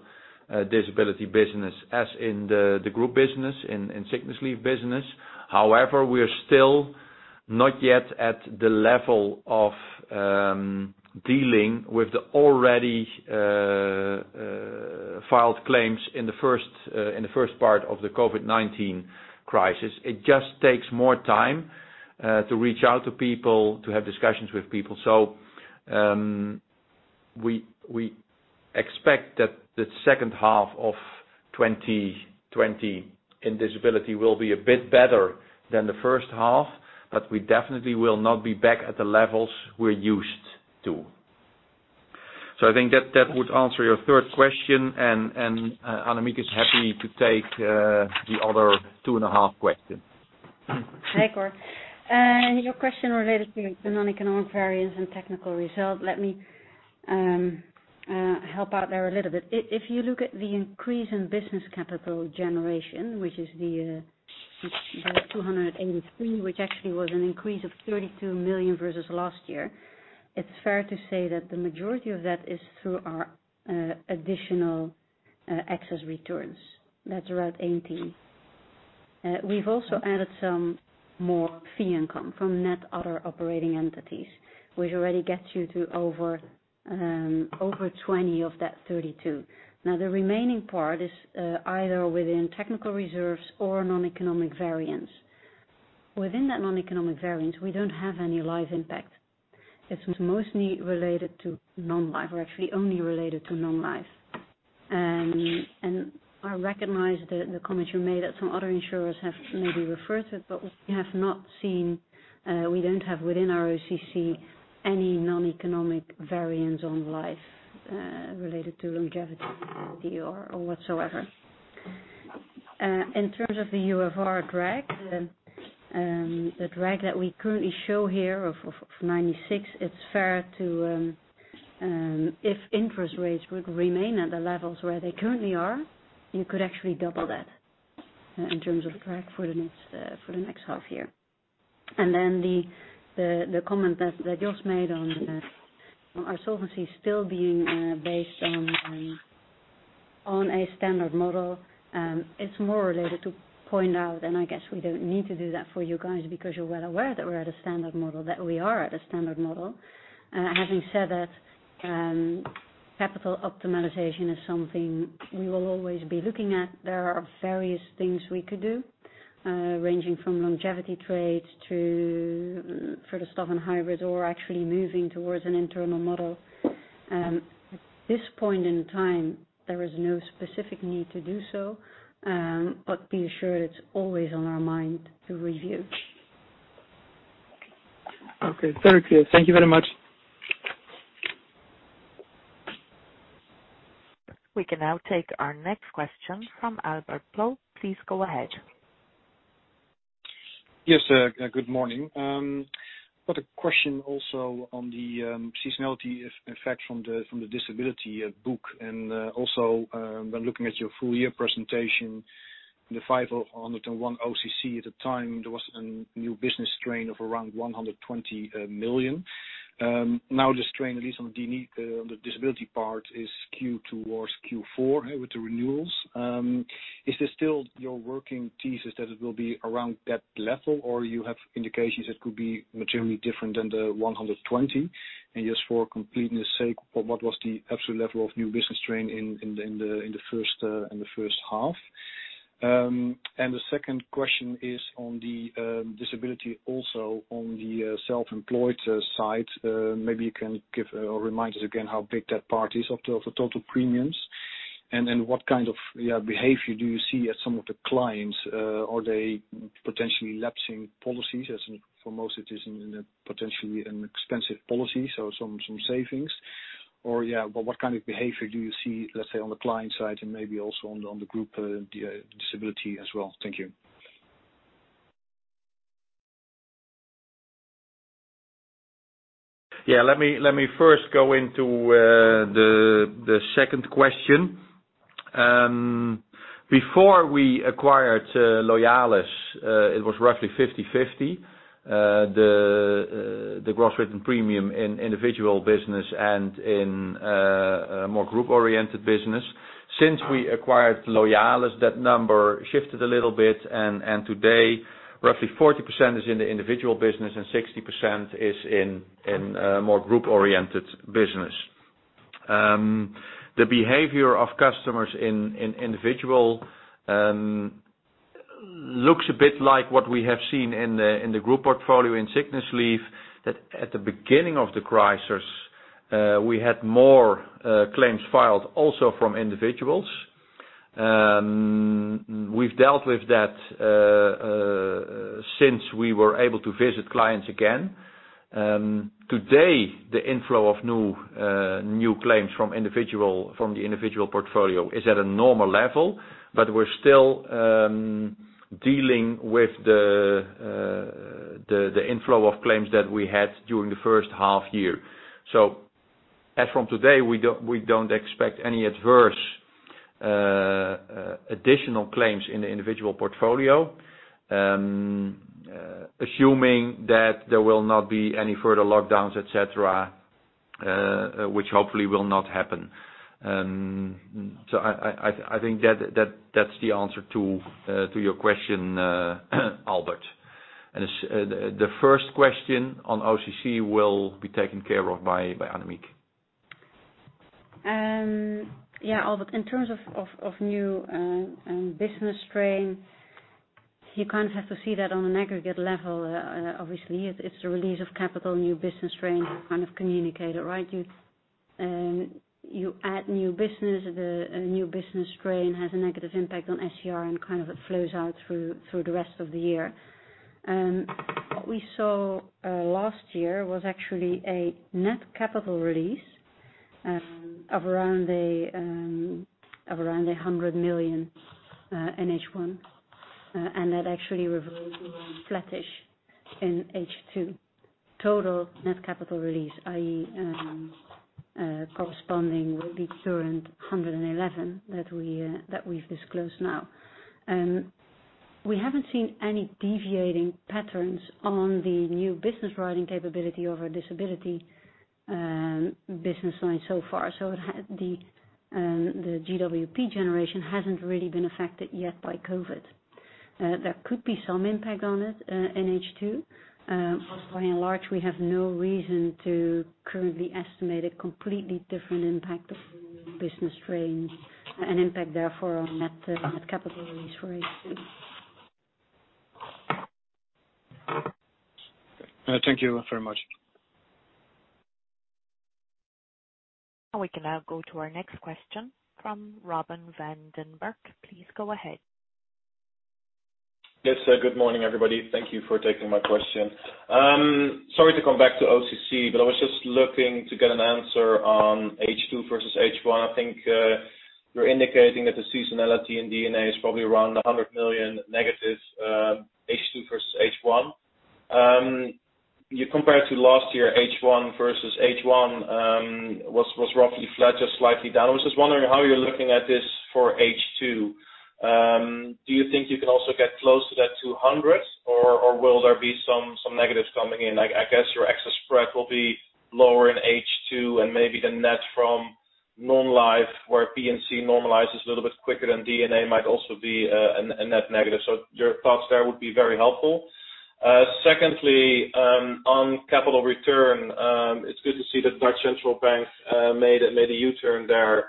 disability business as in the group business, in sickness leave business. We are still not yet at the level of dealing with the already filed claims in the first part of the COVID-19 crisis. It just takes more time to reach out to people, to have discussions with people. We expect that the second half of 2020 in disability will be a bit better than the first half, but we definitely will not be back at the levels we're used to. I think that would answer your third question, and Annemiek is happy to take the other two and a half questions. Hi, Cor. Your question related to the non-economic variance and technical result. Let me help out there a little bit. If you look at the increase in business capital generation, which is the 283, which actually was an increase of 32 million versus last year, it's fair to say that the majority of that is through our additional excess returns. That's around 80. We've also added some more fee income from net other operating entities, which already gets you to over 20 of that 32. The remaining part is either within technical reserves or non-economic variance. Within that non-economic variance, we don't have any life impact. It's mostly related to non-life, or actually only related to non-life. I recognize the comments you made that some other insurers have maybe referred to it, but we have not seen, we don't have within our OCC any non-economic variance on life related to longevity or whatsoever. In terms of the UFR drag, the drag that we currently show here of 96, it's fair to, if interest rates would remain at the levels where they currently are, you could actually double that in terms of drag for the next half year. Then the comment that Jos made on our solvency still being based on a standard model. It's more related to point out, and I guess we don't need to do that for you guys because you're well aware that we are at a standard model. Having said that, capital optimization is something we will always be looking at. There are various things we could do, ranging from longevity trades to further stuff in hybrids or actually moving towards an internal model. At this point in time, there is no specific need to do so, but be assured it is always on our mind to review. Okay, very clear. Thank you very much. We can now take our next question from Albert Ploegh. Please go ahead. Yes, good morning. Got a question also on the seasonality effect from the disability book, and also when looking at your full year presentation in the 501 OCC at the time, there was a new business strain of around 120 million. The strain, at least on the disability part, is skewed towards Q4 with the renewals. Is this still your working thesis that it will be around that level, or you have indications it could be materially different than the 120? Just for completeness sake, what was the absolute level of new business strain in the first half? The second question is on the disability, also on the self-employed side. Maybe you can give or remind us again how big that part is of the total premiums. What kind of behavior do you see at some of the clients? Are they potentially lapsing policies? As for most, it is potentially an expensive policy, so some savings. What kind of behavior do you see, let's say, on the client side and maybe also on the group disability as well? Thank you. Let me first go into the second question. Before we acquired Loyalis, it was roughly 50/50, the gross written premium in individual business and in more group-oriented business. Since we acquired Loyalis, that number shifted a little bit. Today, roughly 40% is in the individual business and 60% is in more group-oriented business. The behavior of customers in individual looks a bit like what we have seen in the group portfolio in sickness leave, that at the beginning of the crisis, we had more claims filed also from individuals. We've dealt with that since we were able to visit clients again. Today, the inflow of new claims from the individual portfolio is at a normal level. We're still dealing with the inflow of claims that we had during the first half year. As from today, we don't expect any adverse additional claims in the individual portfolio, assuming that there will not be any further lockdowns, et cetera, which hopefully will not happen. I think that's the answer to your question, Albert. The first question on OCC will be taken care of by Annemiek. Albert, in terms of new business strain, you have to see that on an aggregate level. Obviously, it's a release of capital, new business strain kind of communicated. You add new business, the new business strain has a negative impact on SCR, and it flows out through the rest of the year. What we saw last year was actually a net capital release of around 100 million in H1. That actually reversed flattish in H2. Total net capital release, i.e., corresponding with the current 111 that we've disclosed now. We haven't seen any deviating patterns on the new business writing capability of our disability business line so far. The GWP generation hasn't really been affected yet by COVID-19. There could be some impact on it in H2. By and large, we have no reason to currently estimate a completely different impact of business strain and impact therefore on net capital release for H2. Thank you very much. We can now go to our next question from Robin van den Broek. Please go ahead. Yes, good morning, everybody. Thank you for taking my question. Sorry to come back to OCC. I was just looking to get an answer on H2 versus H1. I think you're indicating that the seasonality in D&A is probably around 100 million negative H2 versus H1. Compared to last year, H1 versus H1 was roughly flat, just slightly down. I was just wondering how you're looking at this for H2. Do you think you can also get close to that 200 or will there be some negatives coming in? I guess your excess spread will be lower in H2 and maybe the net from non-life, where P&C normalizes a little bit quicker than D&A might also be a net negative. Your thoughts there would be very helpful. Secondly, on capital return, it's good to see that De Nederlandsche Bank made a U-turn there.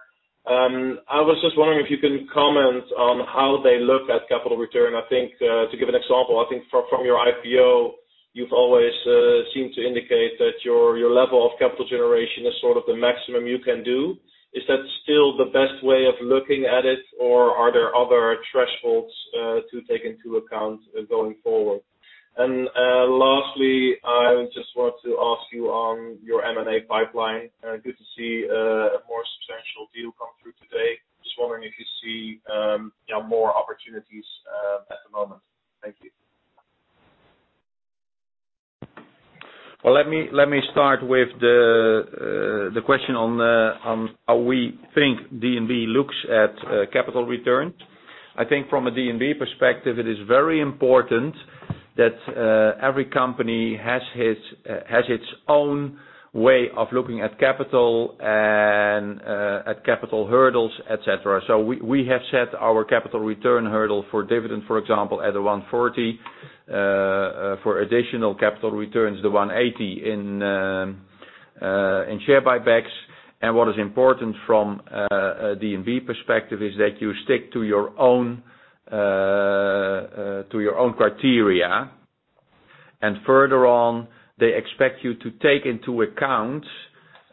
I was just wondering if you can comment on how they look at capital return. To give an example, I think from your IPO, you've always seemed to indicate that your level of capital generation is sort of the maximum you can do. Is that still the best way of looking at it, or are there other thresholds to take into account going forward? Lastly, I just want to ask you on your M&A pipeline. Good to see a more substantial deal come through today. Just wondering if you see more opportunities at the moment. Thank you. Let me start with the question on how we think DNB looks at capital returns. I think from a DNB perspective, it is very important that every company has its own way of looking at capital and at capital hurdles, et cetera. We have set our capital return hurdle for dividend, for example, at 140, for additional capital returns to 180 in share buybacks. What is important from a DNB perspective is that you stick to your own criteria. Further on, they expect you to take into account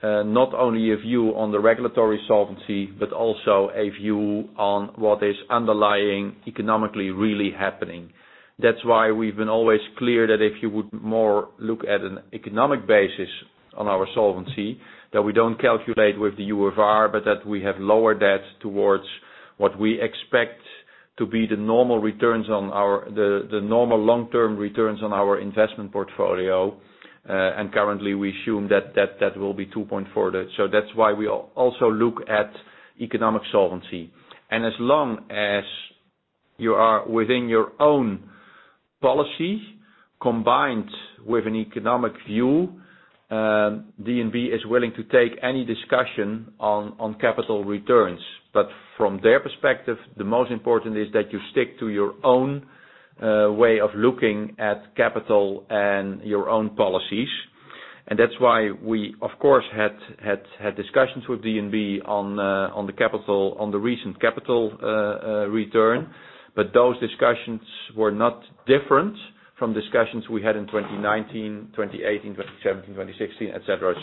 not only a view on the regulatory solvency, but also a view on what is underlying economically really happening. That's why we've been always clear that if you would more look at an economic basis on our solvency, that we don't calculate with the UFR, but that we have lowered that towards what we expect to be the normal long-term returns on our investment portfolio. Currently, we assume that will be 2.4. That's why we also look at economic solvency. As long as you are within your own policy combined with an economic view, DNB is willing to take any discussion on capital returns. From their perspective, the most important is that you stick to your own way of looking at capital and your own policies. That's why we, of course, had discussions with DNB on the recent capital return. Those discussions were not different from discussions we had in 2019, 2018, 2017, 2016, et cetera.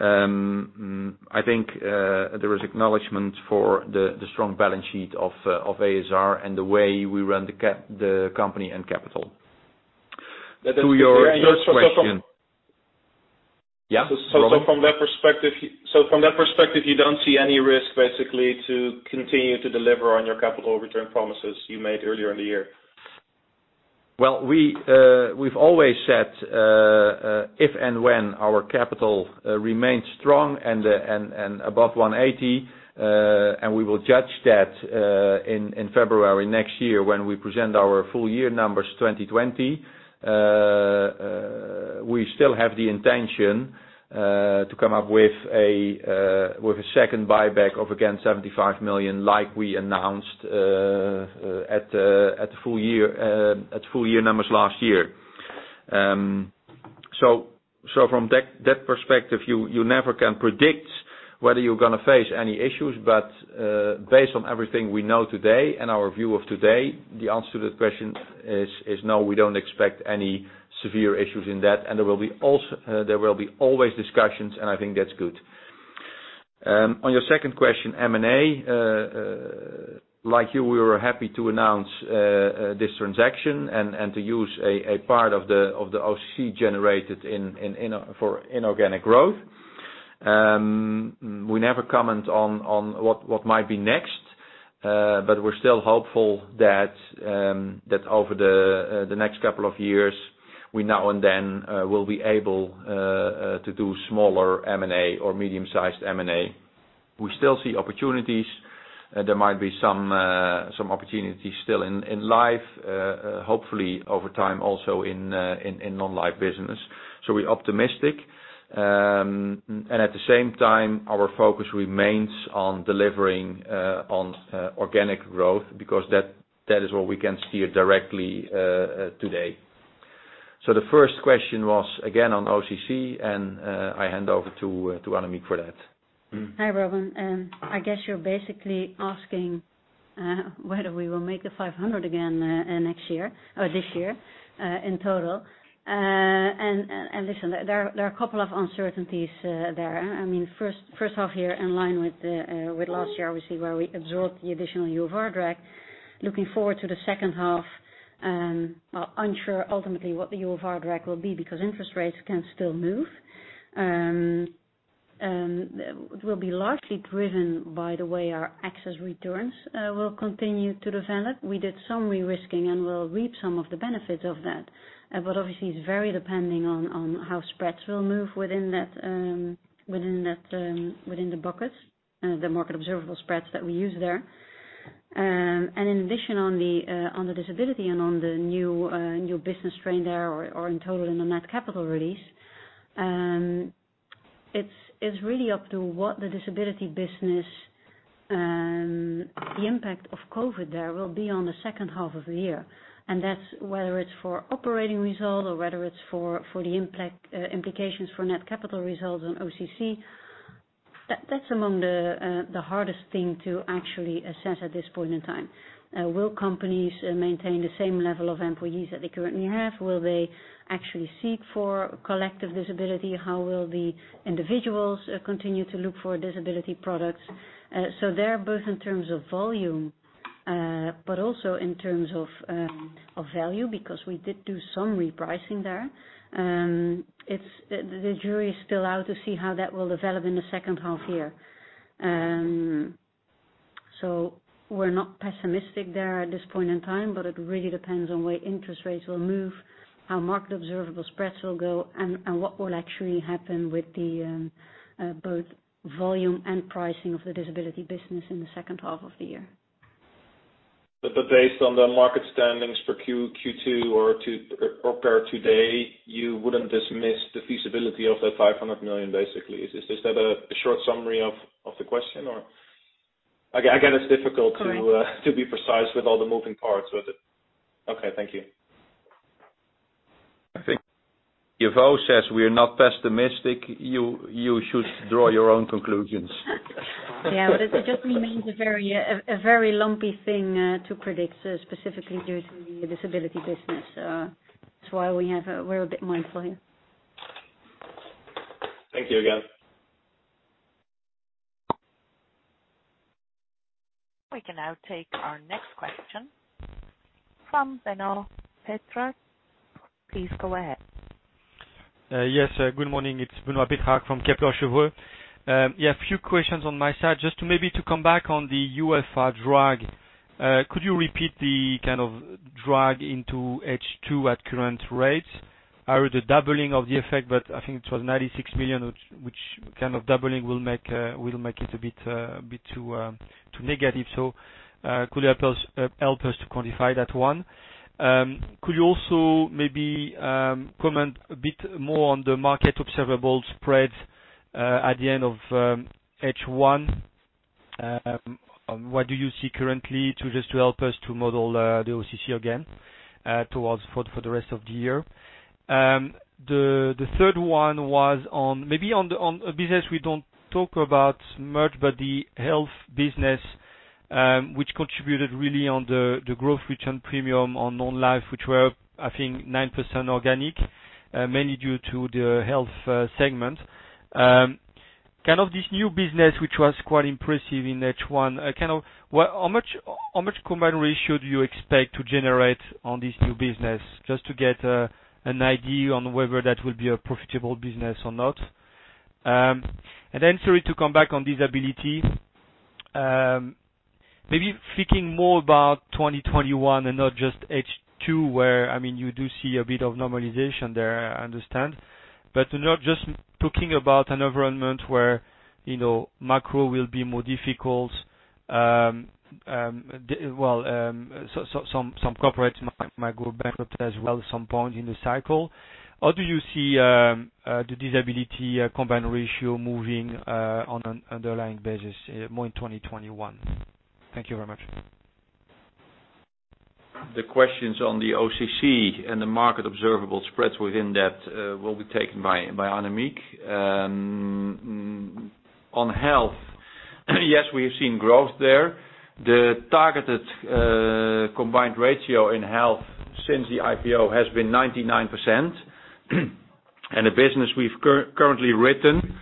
I think there is acknowledgment for the strong balance sheet of ASR and the way we run the company and capital. To your first question. Yeah. From that perspective, you don't see any risk basically to continue to deliver on your capital return promises you made earlier in the year? Well, we've always said, if and when our capital remains strong and above 180, and we will judge that in February next year when we present our full year numbers 2020. We still have the intention to come up with a second buyback of, again, 75 million like we announced at full year numbers last year. From that perspective, you never can predict whether you're going to face any issues. Based on everything we know today and our view of today, the answer to that question is no, we don't expect any severe issues in that. There will be always discussions, and I think that's good. On your second question, M&A, like you, we were happy to announce this transaction and to use a part of the OCC generated for inorganic growth. We never comment on what might be next, but we're still hopeful that over the next couple of years, we now and then will be able to do smaller M&A or medium-sized M&A. We still see opportunities. There might be some opportunities still in life, hopefully over time, also in non-life business. We're optimistic. At the same time, our focus remains on delivering on organic growth, because that is what we can steer directly today. The first question was again on OCC, and I hand over to Annemiek for that. Hi, Robin. I guess you're basically asking whether we will make the 500 again this year in total. Listen, there are a couple of uncertainties there. First half year in line with last year, obviously, where we absorbed the additional UFR drag. Looking forward to the second half, unsure ultimately what the UFR drag will be because interest rates can still move. It will be largely driven by the way our excess returns will continue to develop. We did some risk-weighting and we'll reap some of the benefits of that. Obviously, it's very depending on how spreads will move within the buckets, the market observable spreads that we use there. In addition on the disability and on the new business strain there or in total in the net capital release, it's really up to what the disability business, the impact of COVID there will be on the second half of the year. That's whether it's for operating result or whether it's for the implications for net capital results on OCC. That's among the hardest thing to actually assess at this point in time. Will companies maintain the same level of employees that they currently have? Will they actually seek for collective disability? How will the individuals continue to look for disability products? They're both in terms of volume, but also in terms of value, because we did do some repricing there. The jury is still out to see how that will develop in the second half year. We're not pessimistic there at this point in time, but it really depends on where interest rates will move, how market observable spreads will go, and what will actually happen with both volume and pricing of the disability business in the second half of the year. Based on the market standings for Q2 or per today, you wouldn't dismiss the feasibility of the 500 million, basically. Is that a short summary of the question, or? I get it's difficult to- Correct -to be precise with all the moving parts with it. Okay. Thank you. I think if your says we're not pessimistic, you should draw your own conclusions. Yeah. It just remains a very lumpy thing to predict, specifically due to the disability business. That's why we're a bit mindful here. Thank you again. We can now take our next question from Benoit Petrarque. Please go ahead. Good morning. It's Benoit Petrarque from Kepler Cheuvreux. A few questions on my side. Just maybe to come back on the UFR drag. Could you repeat the kind of drag into H2 at current rates? I read the doubling of the effect, but I think it was 96 million, which kind of doubling will make it a bit too negative. Could you help us to quantify that one? Could you also maybe comment a bit more on the market observable spreads at the end of H1? What do you see currently to just to help us to model the OCC again, towards for the rest of the year? The third one was maybe on a business we don't talk about much, but the health business which contributed really on the growth written premium on non-life, which were, I think 9% organic, mainly due to the health segment. Kind of this new business, which was quite impressive in H1. How much combined ratio do you expect to generate on this new business, just to get an idea on whether that will be a profitable business or not? Sorry to come back on disability. Maybe thinking more about 2021 and not just H2, where you do see a bit of normalization there, I understand, to not just talking about an environment where macro will be more difficult. Well, some corporates might go bankrupt as well at some point in the cycle. How do you see the disability combined ratio moving on an underlying basis more in 2021? Thank you very much. The questions on the OCC and the market observable spreads within that will be taken by Annemiek. On health, yes, we have seen growth there. The targeted combined ratio in health since the IPO has been 99%. The business we've currently written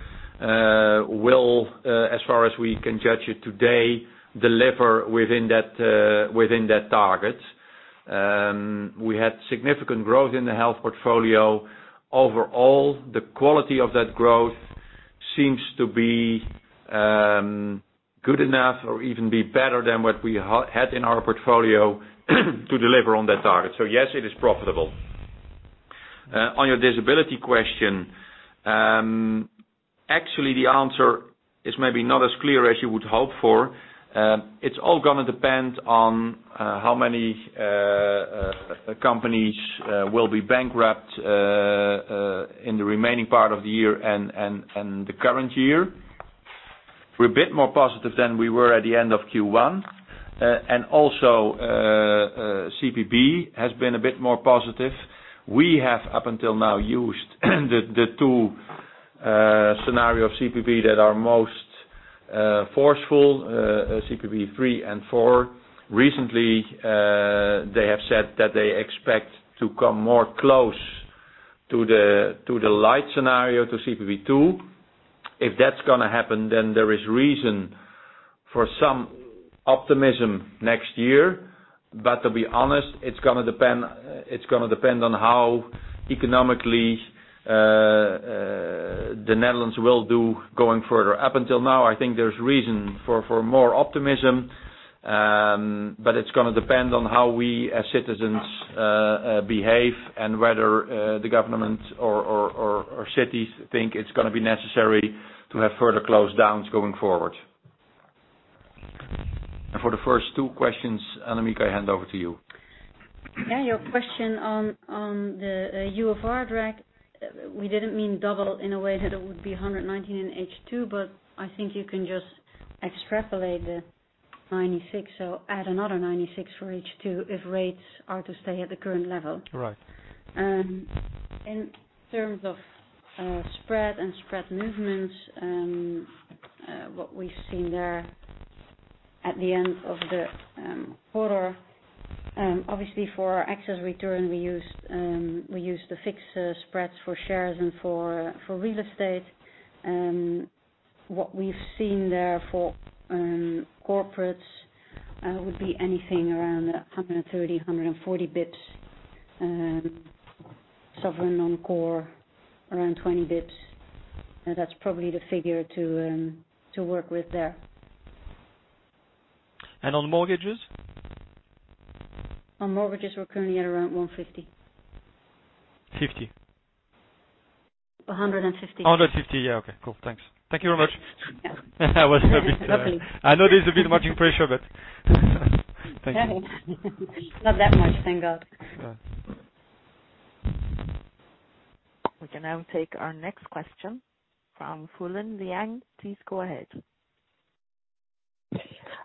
will, as far as we can judge it today, deliver within that target. We had significant growth in the health portfolio. Overall, the quality of that growth seems to be good enough or even be better than what we had in our portfolio to deliver on that target. Yes, it is profitable. On your disability question. Actually, the answer is maybe not as clear as you would hope for. It's all going to depend on how many companies will be bankrupt in the remaining part of the year and the current year. We're a bit more positive than we were at the end of Q1. CPB has been a bit more positive. We have, up until now, used the two scenario CPB that are most forceful, CPB 3 and 4. Recently, they have said that they expect to come more close to the light scenario, to CPB 2. If that's going to happen, there is reason for some optimism next year. To be honest, it's going to depend on how economically the Netherlands will do going further. Up until now, I think there's reason for more optimism. It's going to depend on how we, as citizens, behave and whether the government or cities think it's going to be necessary to have further close downs going forward. For the first two questions, Annemiek, I hand over to you. Yeah. Your question on the UFR drag. We didn't mean double in a way that it would be 119 in H2, but I think you can just extrapolate the 96, so add another 96 for H2 if rates are to stay at the current level. Right. In terms of spread and spread movements, what we've seen there at the end of the quarter, obviously for our excess return we use the fixed spreads for shares and for real estate. What we've seen there for corporates would be anything around 130, 140 basis points. Sovereign non-core around 20 basis points. That's probably the figure to work with there. On mortgages? On mortgages, we're currently at around 150. 50? 150. 150. Yeah, okay, cool. Thanks. Thank you very much. Yeah. I know there's a bit much pressure, but thank you. Not that much, thank God. Yeah. We can now take our next question from Fulin Liang. Please go ahead.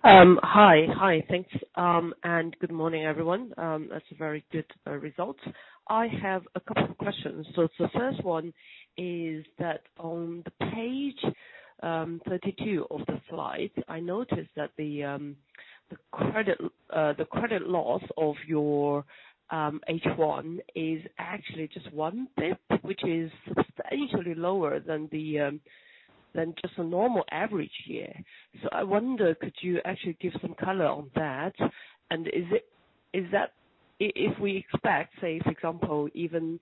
Hi. Thanks, and good morning, everyone. That's a very good result. I have a couple of questions. The first one is that on page 32 of the slide, I noticed that the credit loss of your H1 is actually just one bp, which is substantially lower than just a normal average year. I wonder, could you actually give some color on that? If we expect, say for example, even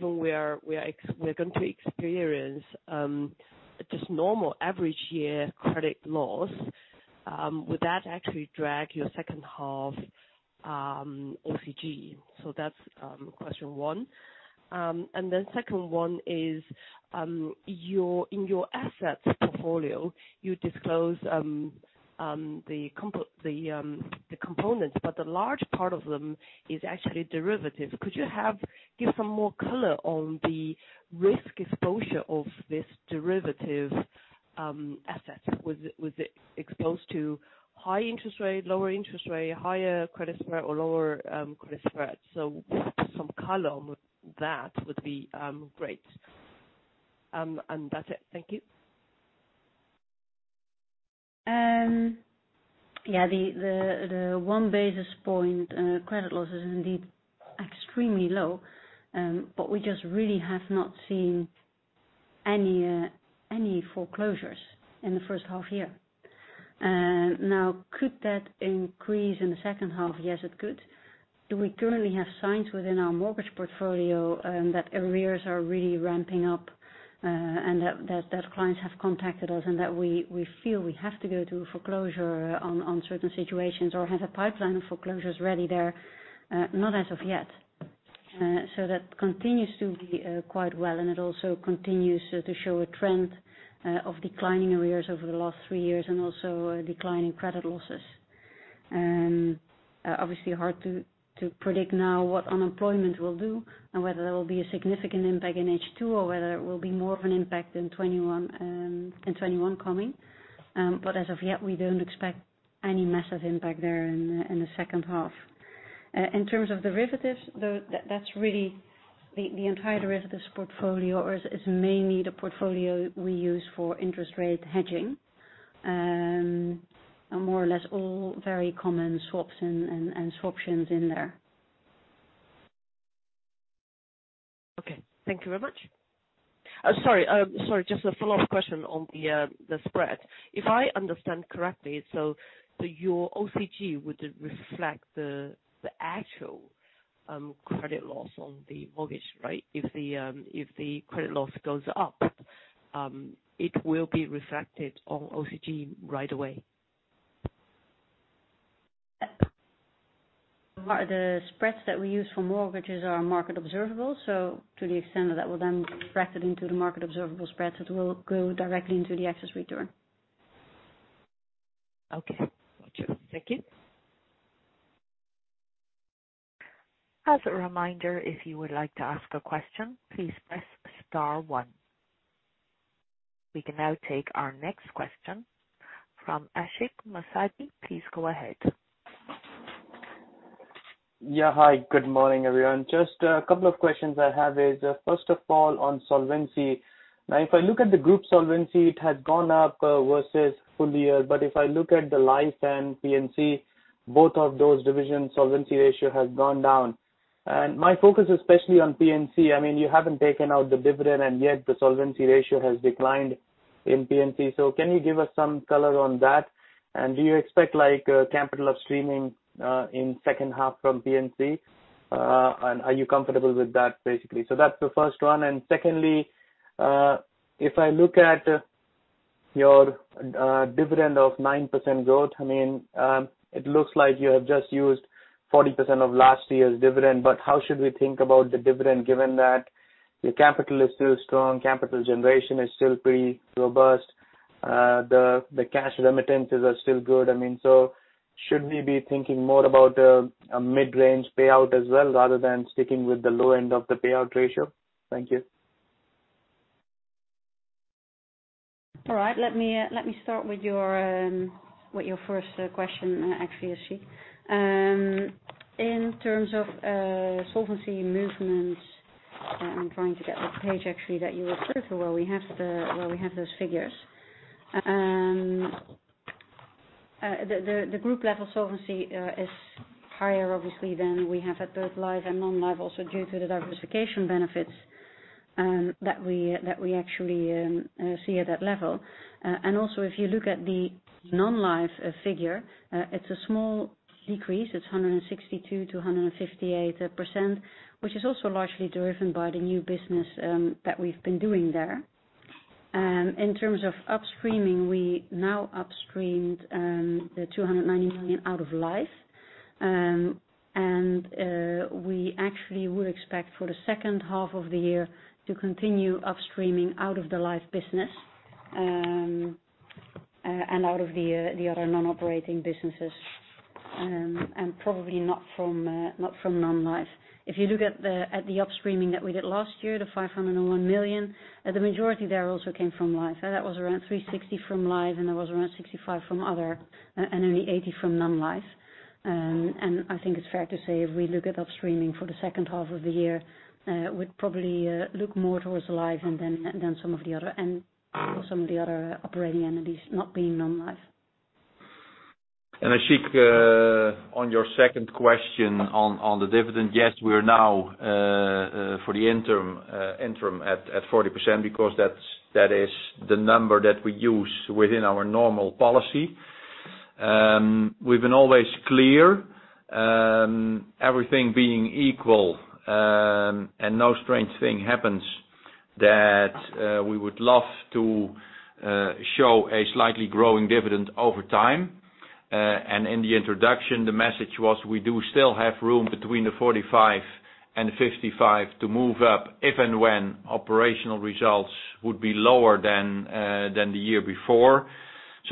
where we're going to experience just normal average year credit loss, would that actually drag your second half OCC? That's question one. Second one is, in your assets portfolio, you disclose the components, but a large part of them is actually derivatives. Could you give some more color on the risk exposure of this derivative asset? Was it exposed to high interest rate, lower interest rate, higher credit spread or lower credit spread? Some color on that would be great. That's it. Thank you. Yeah. The one basis point credit loss is indeed extremely low, but we just really have not seen any foreclosures in the first half year. Now, could that increase in the second half? Yes, it could. Do we currently have signs within our mortgage portfolio that arrears are really ramping up, and that clients have contacted us and that we feel we have to go to a foreclosure on certain situations, or have a pipeline of foreclosures ready there? Not as of yet. That continues to be quite well, and it also continues to show a trend of declining arrears over the last three years, and also a decline in credit losses. Obviously, hard to predict now what unemployment will do and whether there will be a significant impact in H2 or whether it will be more of an impact in 2021 coming. As of yet, we don't expect any massive impact there in the second half. In terms of derivatives, the entire derivatives portfolio is mainly the portfolio we use for interest rate hedging. More or less all very common swaps and swaptions in there. Okay. Thank you very much. Sorry, just a follow-up question on the spread. If I understand correctly, your OCC would reflect the actual credit loss on the mortgage, right? If the credit loss goes up, it will be reflected on OCC right away. The spreads that we use for mortgages are market observable, so to the extent that we'll then track it into the market observable spreads, it will go directly into the excess return. Okay. Got you. Thank you. As a reminder, if you would like to ask a question, please press star one. We can now take our next question from Ashik Musaddi. Please go ahead. Yeah. Hi, good morning, everyone. Just a couple of questions I have is, first of all, on solvency. If I look at the group solvency, it has gone up versus full year. If I look at the life and P&C, both of those divisions' solvency ratio has gone down. My focus is especially on P&C. You haven't taken out the dividend and yet the solvency ratio has declined in P&C. Can you give us some color on that? Do you expect capital upstreaming in second half from P&C? Are you comfortable with that, basically? That's the first one. Secondly, if I look at your dividend of 9% growth, it looks like you have just used 40% of last year's dividend. How should we think about the dividend given that your capital is still strong, capital generation is still pretty robust, the cash remittances are still good? Should we be thinking more about a mid-range payout as well, rather than sticking with the low end of the payout ratio? Thank you. All right. Let me start with your first question, actually, Ashik. In terms of solvency movements, I'm trying to get the page actually that you refer to where we have those figures. The group-level solvency is higher, obviously, than we have at both life and non-life, also due to the diversification benefits. That we actually see at that level. Also if you look at the non-life figure, it's a small decrease. It's 162%-158%, which is also largely driven by the new business that we've been doing there. In terms of upstreaming, we now upstreamed the 290 million out of life. We actually would expect for the second half of the year to continue upstreaming out of the life business, and out of the other non-operating businesses, and probably not from non-life. If you look at the upstreaming that we did last year, the 501 million, the majority there also came from life. That was around 360 from life, and it was around 65 from other, and only 80 from non-life. I think it's fair to say, if we look at upstreaming for the second half of the year, we'd probably look more towards life than some of the other operating entities not being non-life. Ashik, on your second question on the dividend, yes, we are now for the interim at 40% because that is the number that we use within our normal policy. We've been always clear, everything being equal, and no strange thing happens that we would love to show a slightly growing dividend over time. In the introduction, the message was we do still have room between the 45%-55% to move up if and when operational results would be lower than the year before.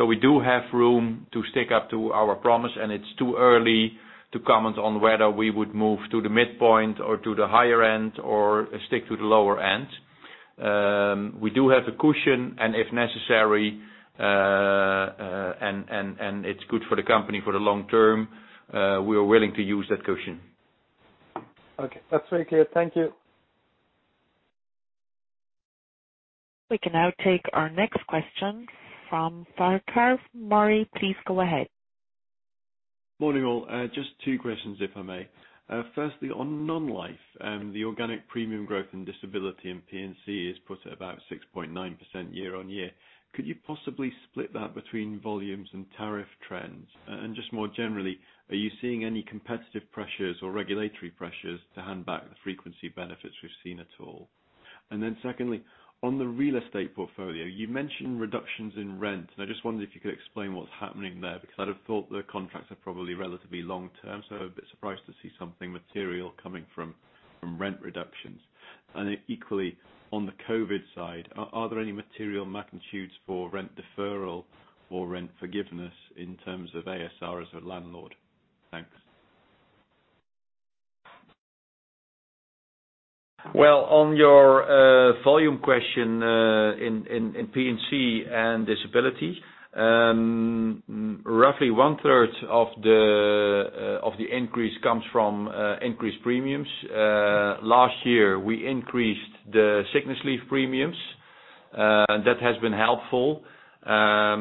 We do have room to stick up to our promise, and it's too early to comment on whether we would move to the midpoint or to the higher end, or stick to the lower end. We do have a cushion, and if necessary, and it's good for the company for the long term, we are willing to use that cushion. Okay. That's very clear. Thank you. We can now take our next question from Farquhar Murray, please go ahead. Morning, all. Just two questions, if I may. Firstly, on non-life, the organic premium growth and disability in P&C is put at about 6.9% year-on-year. Could you possibly split that between volumes and tariff trends? Just more generally, are you seeing any competitive pressures or regulatory pressures to hand back the frequency benefits we've seen at all? Secondly, on the real estate portfolio, you mentioned reductions in rent, and I just wondered if you could explain what's happening there, because I'd have thought the contracts are probably relatively long term. I'd be surprised to see something material coming from rent reductions. Equally on the COVID-19 side, are there any material magnitudes for rent deferral or rent forgiveness in terms of ASR as a landlord? Thanks. Well, on your volume question, in P&C and disability, roughly one third of the increase comes from increased premiums. Last year, we increased the sickness leave premiums. That has been helpful. Also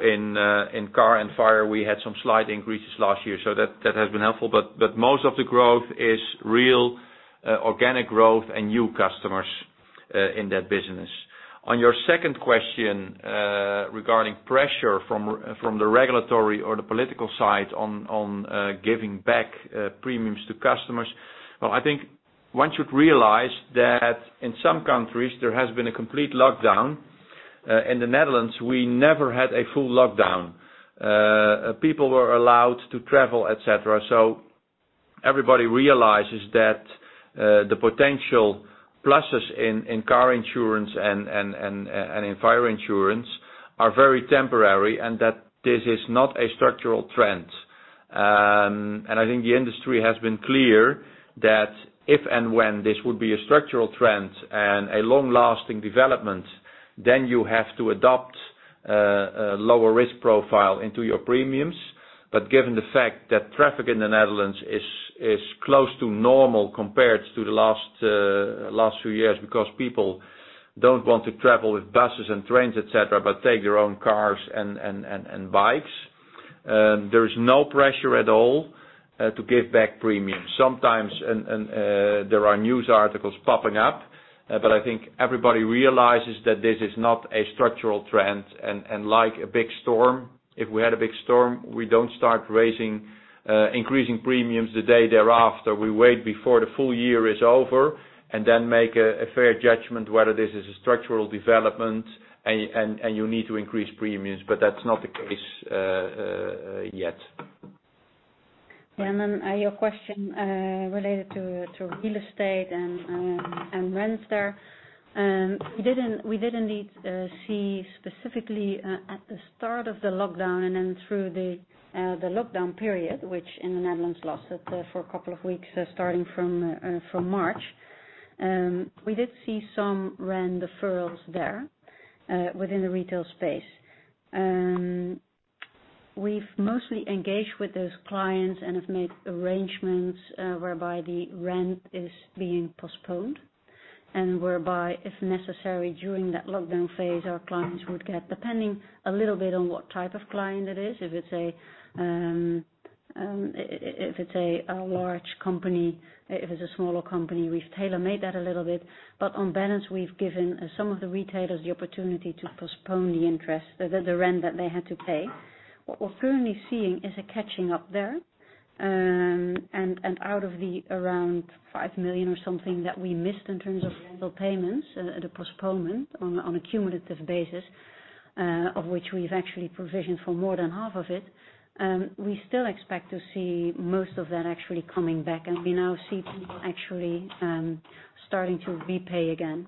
in car and fire, we had some slight increases last year. That has been helpful, but most of the growth is real organic growth and new customers in that business. On your second question, regarding pressure from the regulatory or the political side on giving back premiums to customers. Well, I think one should realize that in some countries, there has been a complete lockdown. In the Netherlands, we never had a full lockdown. People were allowed to travel, et cetera. Everybody realizes that the potential pluses in car insurance and in fire insurance are very temporary, and that this is not a structural trend. I think the industry has been clear that if and when this would be a structural trend and a long-lasting development, then you have to adopt a lower risk profile into your premiums. Given the fact that traffic in the Netherlands is close to normal compared to the last few years because people don't want to travel with buses and trains, et cetera, but take their own cars and bikes, there is no pressure at all to give back premiums. Sometimes there are news articles popping up, but I think everybody realizes that this is not a structural trend. Like a big storm, if we had a big storm, we don't start increasing premiums the day thereafter. We wait before the full year is over and then make a fair judgment whether this is a structural development and you need to increase premiums. That's not the case yet. Yeah. Your question related to real estate and rents there. We did indeed see specifically at the start of the lockdown and then through the lockdown period, which in the Netherlands lasted for a couple of weeks, starting from March. We did see some rent deferrals there within the retail space. We've mostly engaged with those clients and have made arrangements whereby the rent is being postponed, and whereby, if necessary, during that lockdown phase, our clients would get, depending a little bit on what type of client it is, if it's a large company, if it's a smaller company, we've tailor-made that a little bit. On balance, we've given some of the retailers the opportunity to postpone the interest, the rent that they had to pay. What we're currently seeing is a catching up there. Out of the around 5 million or something that we missed in terms of rental payments, the postponement on a cumulative basis, of which we've actually provisioned for more than half of it. We still expect to see most of that actually coming back, and we now see people actually starting to repay again.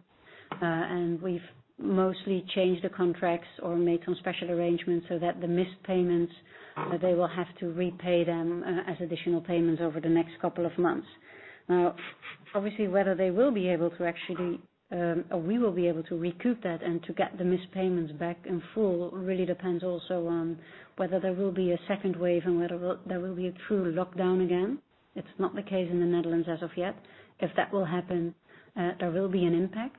We've mostly changed the contracts or made some special arrangements so that the missed payments, they will have to repay them as additional payments over the next couple of months. Obviously, whether they will be able to actually, or we will be able to recoup that and to get the missed payments back in full really depends also on whether there will be a second wave and whether there will be a true lockdown again. It's not the case in the Netherlands as of yet. If that will happen, there will be an impact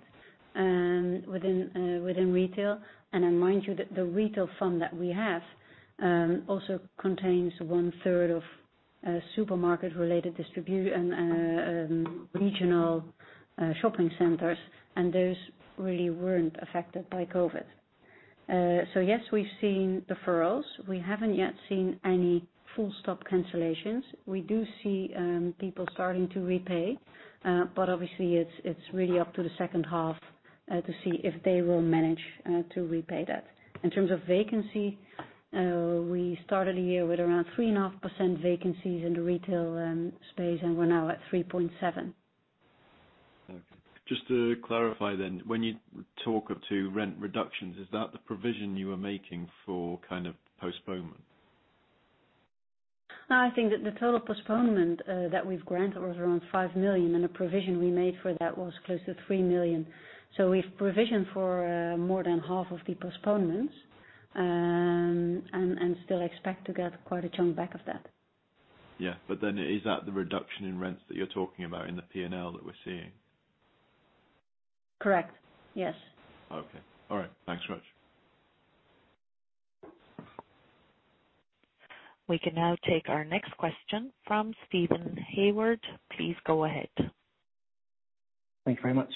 within retail. Mind you, that the retail funds that we have also contains one-third of supermarket-related distribution and regional shopping centers, and those really weren't affected by COVID. Yes, we've seen deferrals. We haven't yet seen any full-stop cancellations. We do see people starting to repay. Obviously it's really up to the second half to see if they will manage to repay that. In terms of vacancy, we started the year with around 3.5% vacancies in the retail space, and we're now at 3.7%. Okay. Just to clarify, when you talk to rent reductions, is that the provision you were making for kind of postponement? No, I think that the total postponement that we've granted was around 5 million, and the provision we made for that was close to 3 million. We've provisioned for more than half of the postponements and still expect to get quite a chunk back of that. Yeah. Is that the reduction in rents that you're talking about in the P&L that we're seeing? Correct. Yes. Okay. All right. Thanks very much. We can now take our next question from Stephen Hayward. Please go ahead. Thank you very much.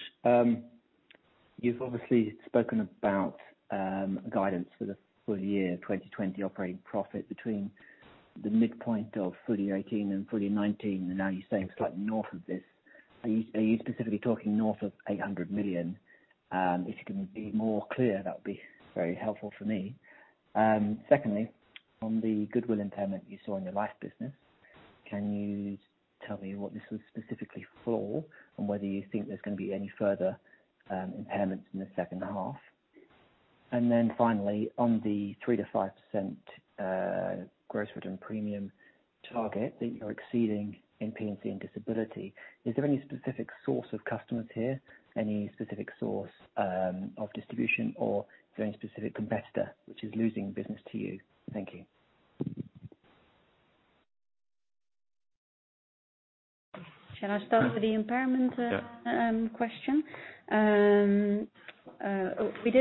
You've obviously spoken about guidance for the full year 2020 operating profit between the midpoint of full year 2018 and full year 2019, and now you're saying slightly north of this. Are you specifically talking north of 800 million? If you can be more clear, that would be very helpful for me. Secondly, on the goodwill impairment you saw in your life business, can you tell me what this was specifically for and whether you think there's going to be any further impairments in the second half? Finally, on the 3%-5% gross written premium target that you're exceeding in P&C and disability, is there any specific source of customers here, any specific source of distribution, or is there any specific competitor which is losing business to you? Thank you. Shall I start with the impairment question? Yeah We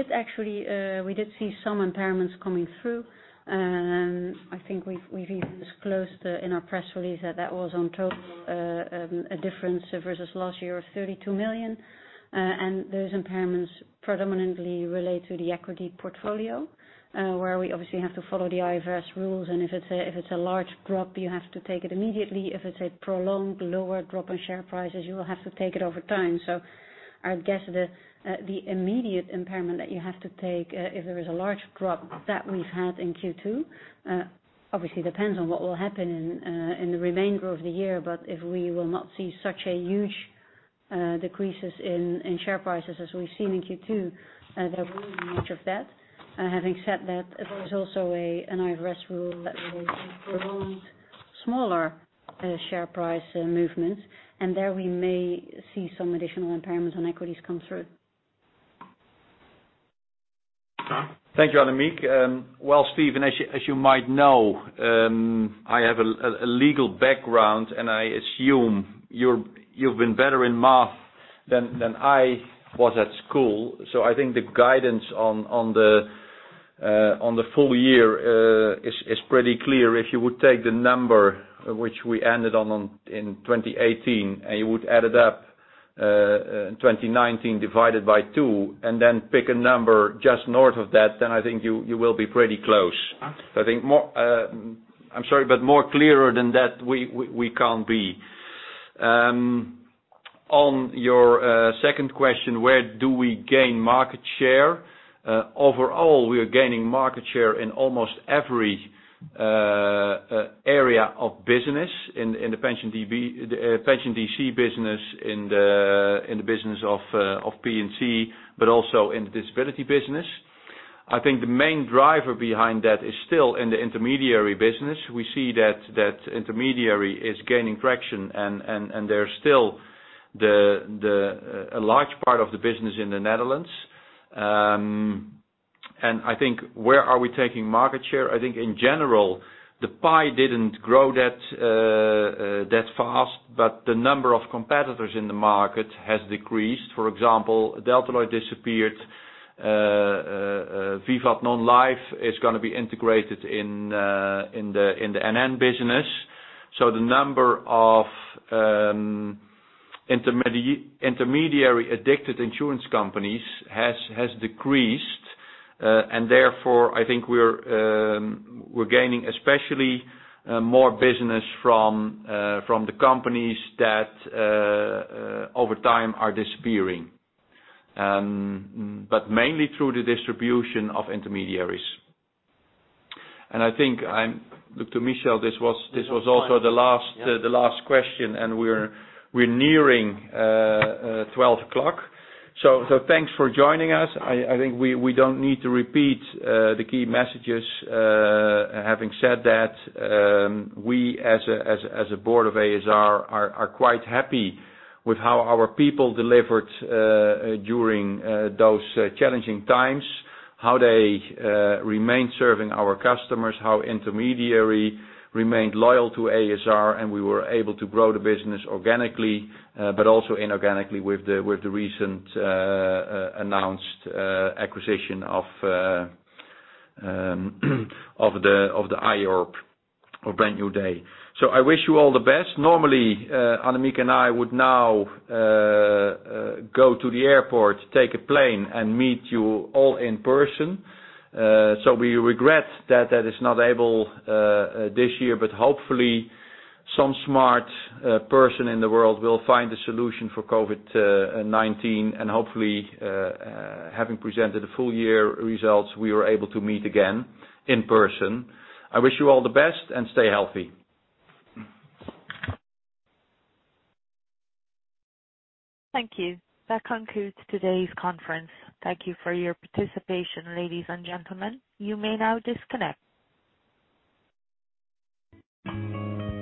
did see some impairments coming through. I think we've even disclosed in our press release that that was on total a difference versus last year of 32 million. Those impairments predominantly relate to the equity portfolio, where we obviously have to follow the IFRS rules. If it's a large drop, you have to take it immediately. If it's a prolonged lower drop in share prices, you will have to take it over time. I guess the immediate impairment that you have to take, if there is a large drop that we've had in Q2, obviously depends on what will happen in the remainder of the year. If we will not see such a huge decreases in share prices as we've seen in Q2, there won't be much of that. Having said that, there is also an IFRS rule that relates to prolonged smaller share price movements, and there we may see some additional impairments on equities come through. Thank you, Annemiek. Well, Stephen as you might know, I have a legal background, and I assume you've been better in math than I was at school. So I think the guidance on the full year is pretty clear. If you would take the number which we ended on in 2018, and you would add it up, 2019 divided by two, and then pick a number just north of that, then I think you will be pretty close. I'm sorry, but more clearer than that, we can't be. On your second question, where do we gain market share? Overall, we are gaining market share in almost every area of business, in the pension DC business, in the business of P&C, but also in the disability business. I think the main driver behind that is still in the intermediary business. We see that intermediary is gaining traction, and they're still a large part of the business in the Netherlands. I think where are we taking market share? I think in general, the pie didn't grow that fast, but the number of competitors in the market has decreased. For example, Delta Lloyd disappeared, Vivat non-life is going to be integrated in the NN business. The number of intermediary-addicted insurance companies has decreased. Therefore, I think we're gaining especially more business from the companies that over time are disappearing, but mainly through the distribution of intermediaries. I think, look to Michel, this was also the last question, and we're nearing 12 o'clock. Thanks for joining us. I think we don't need to repeat the key messages. Having said that, we as a board of ASR are quite happy with how our people delivered during those challenging times, how they remained serving our customers, how intermediary remained loyal to ASR, and we were able to grow the business organically, but also inorganically with the recent announced acquisition of the IORP of Brand New Day. I wish you all the best. Normally, Annemiek and I would now go to the airport, take a plane, and meet you all in person. We regret that that is not able this year, but hopefully some smart person in the world will find a solution for COVID-19, and hopefully, having presented the full year results, we are able to meet again in person. I wish you all the best, and stay healthy. Thank you. That concludes today's conference. Thank you for your participation, ladies and gentlemen. You may now disconnect.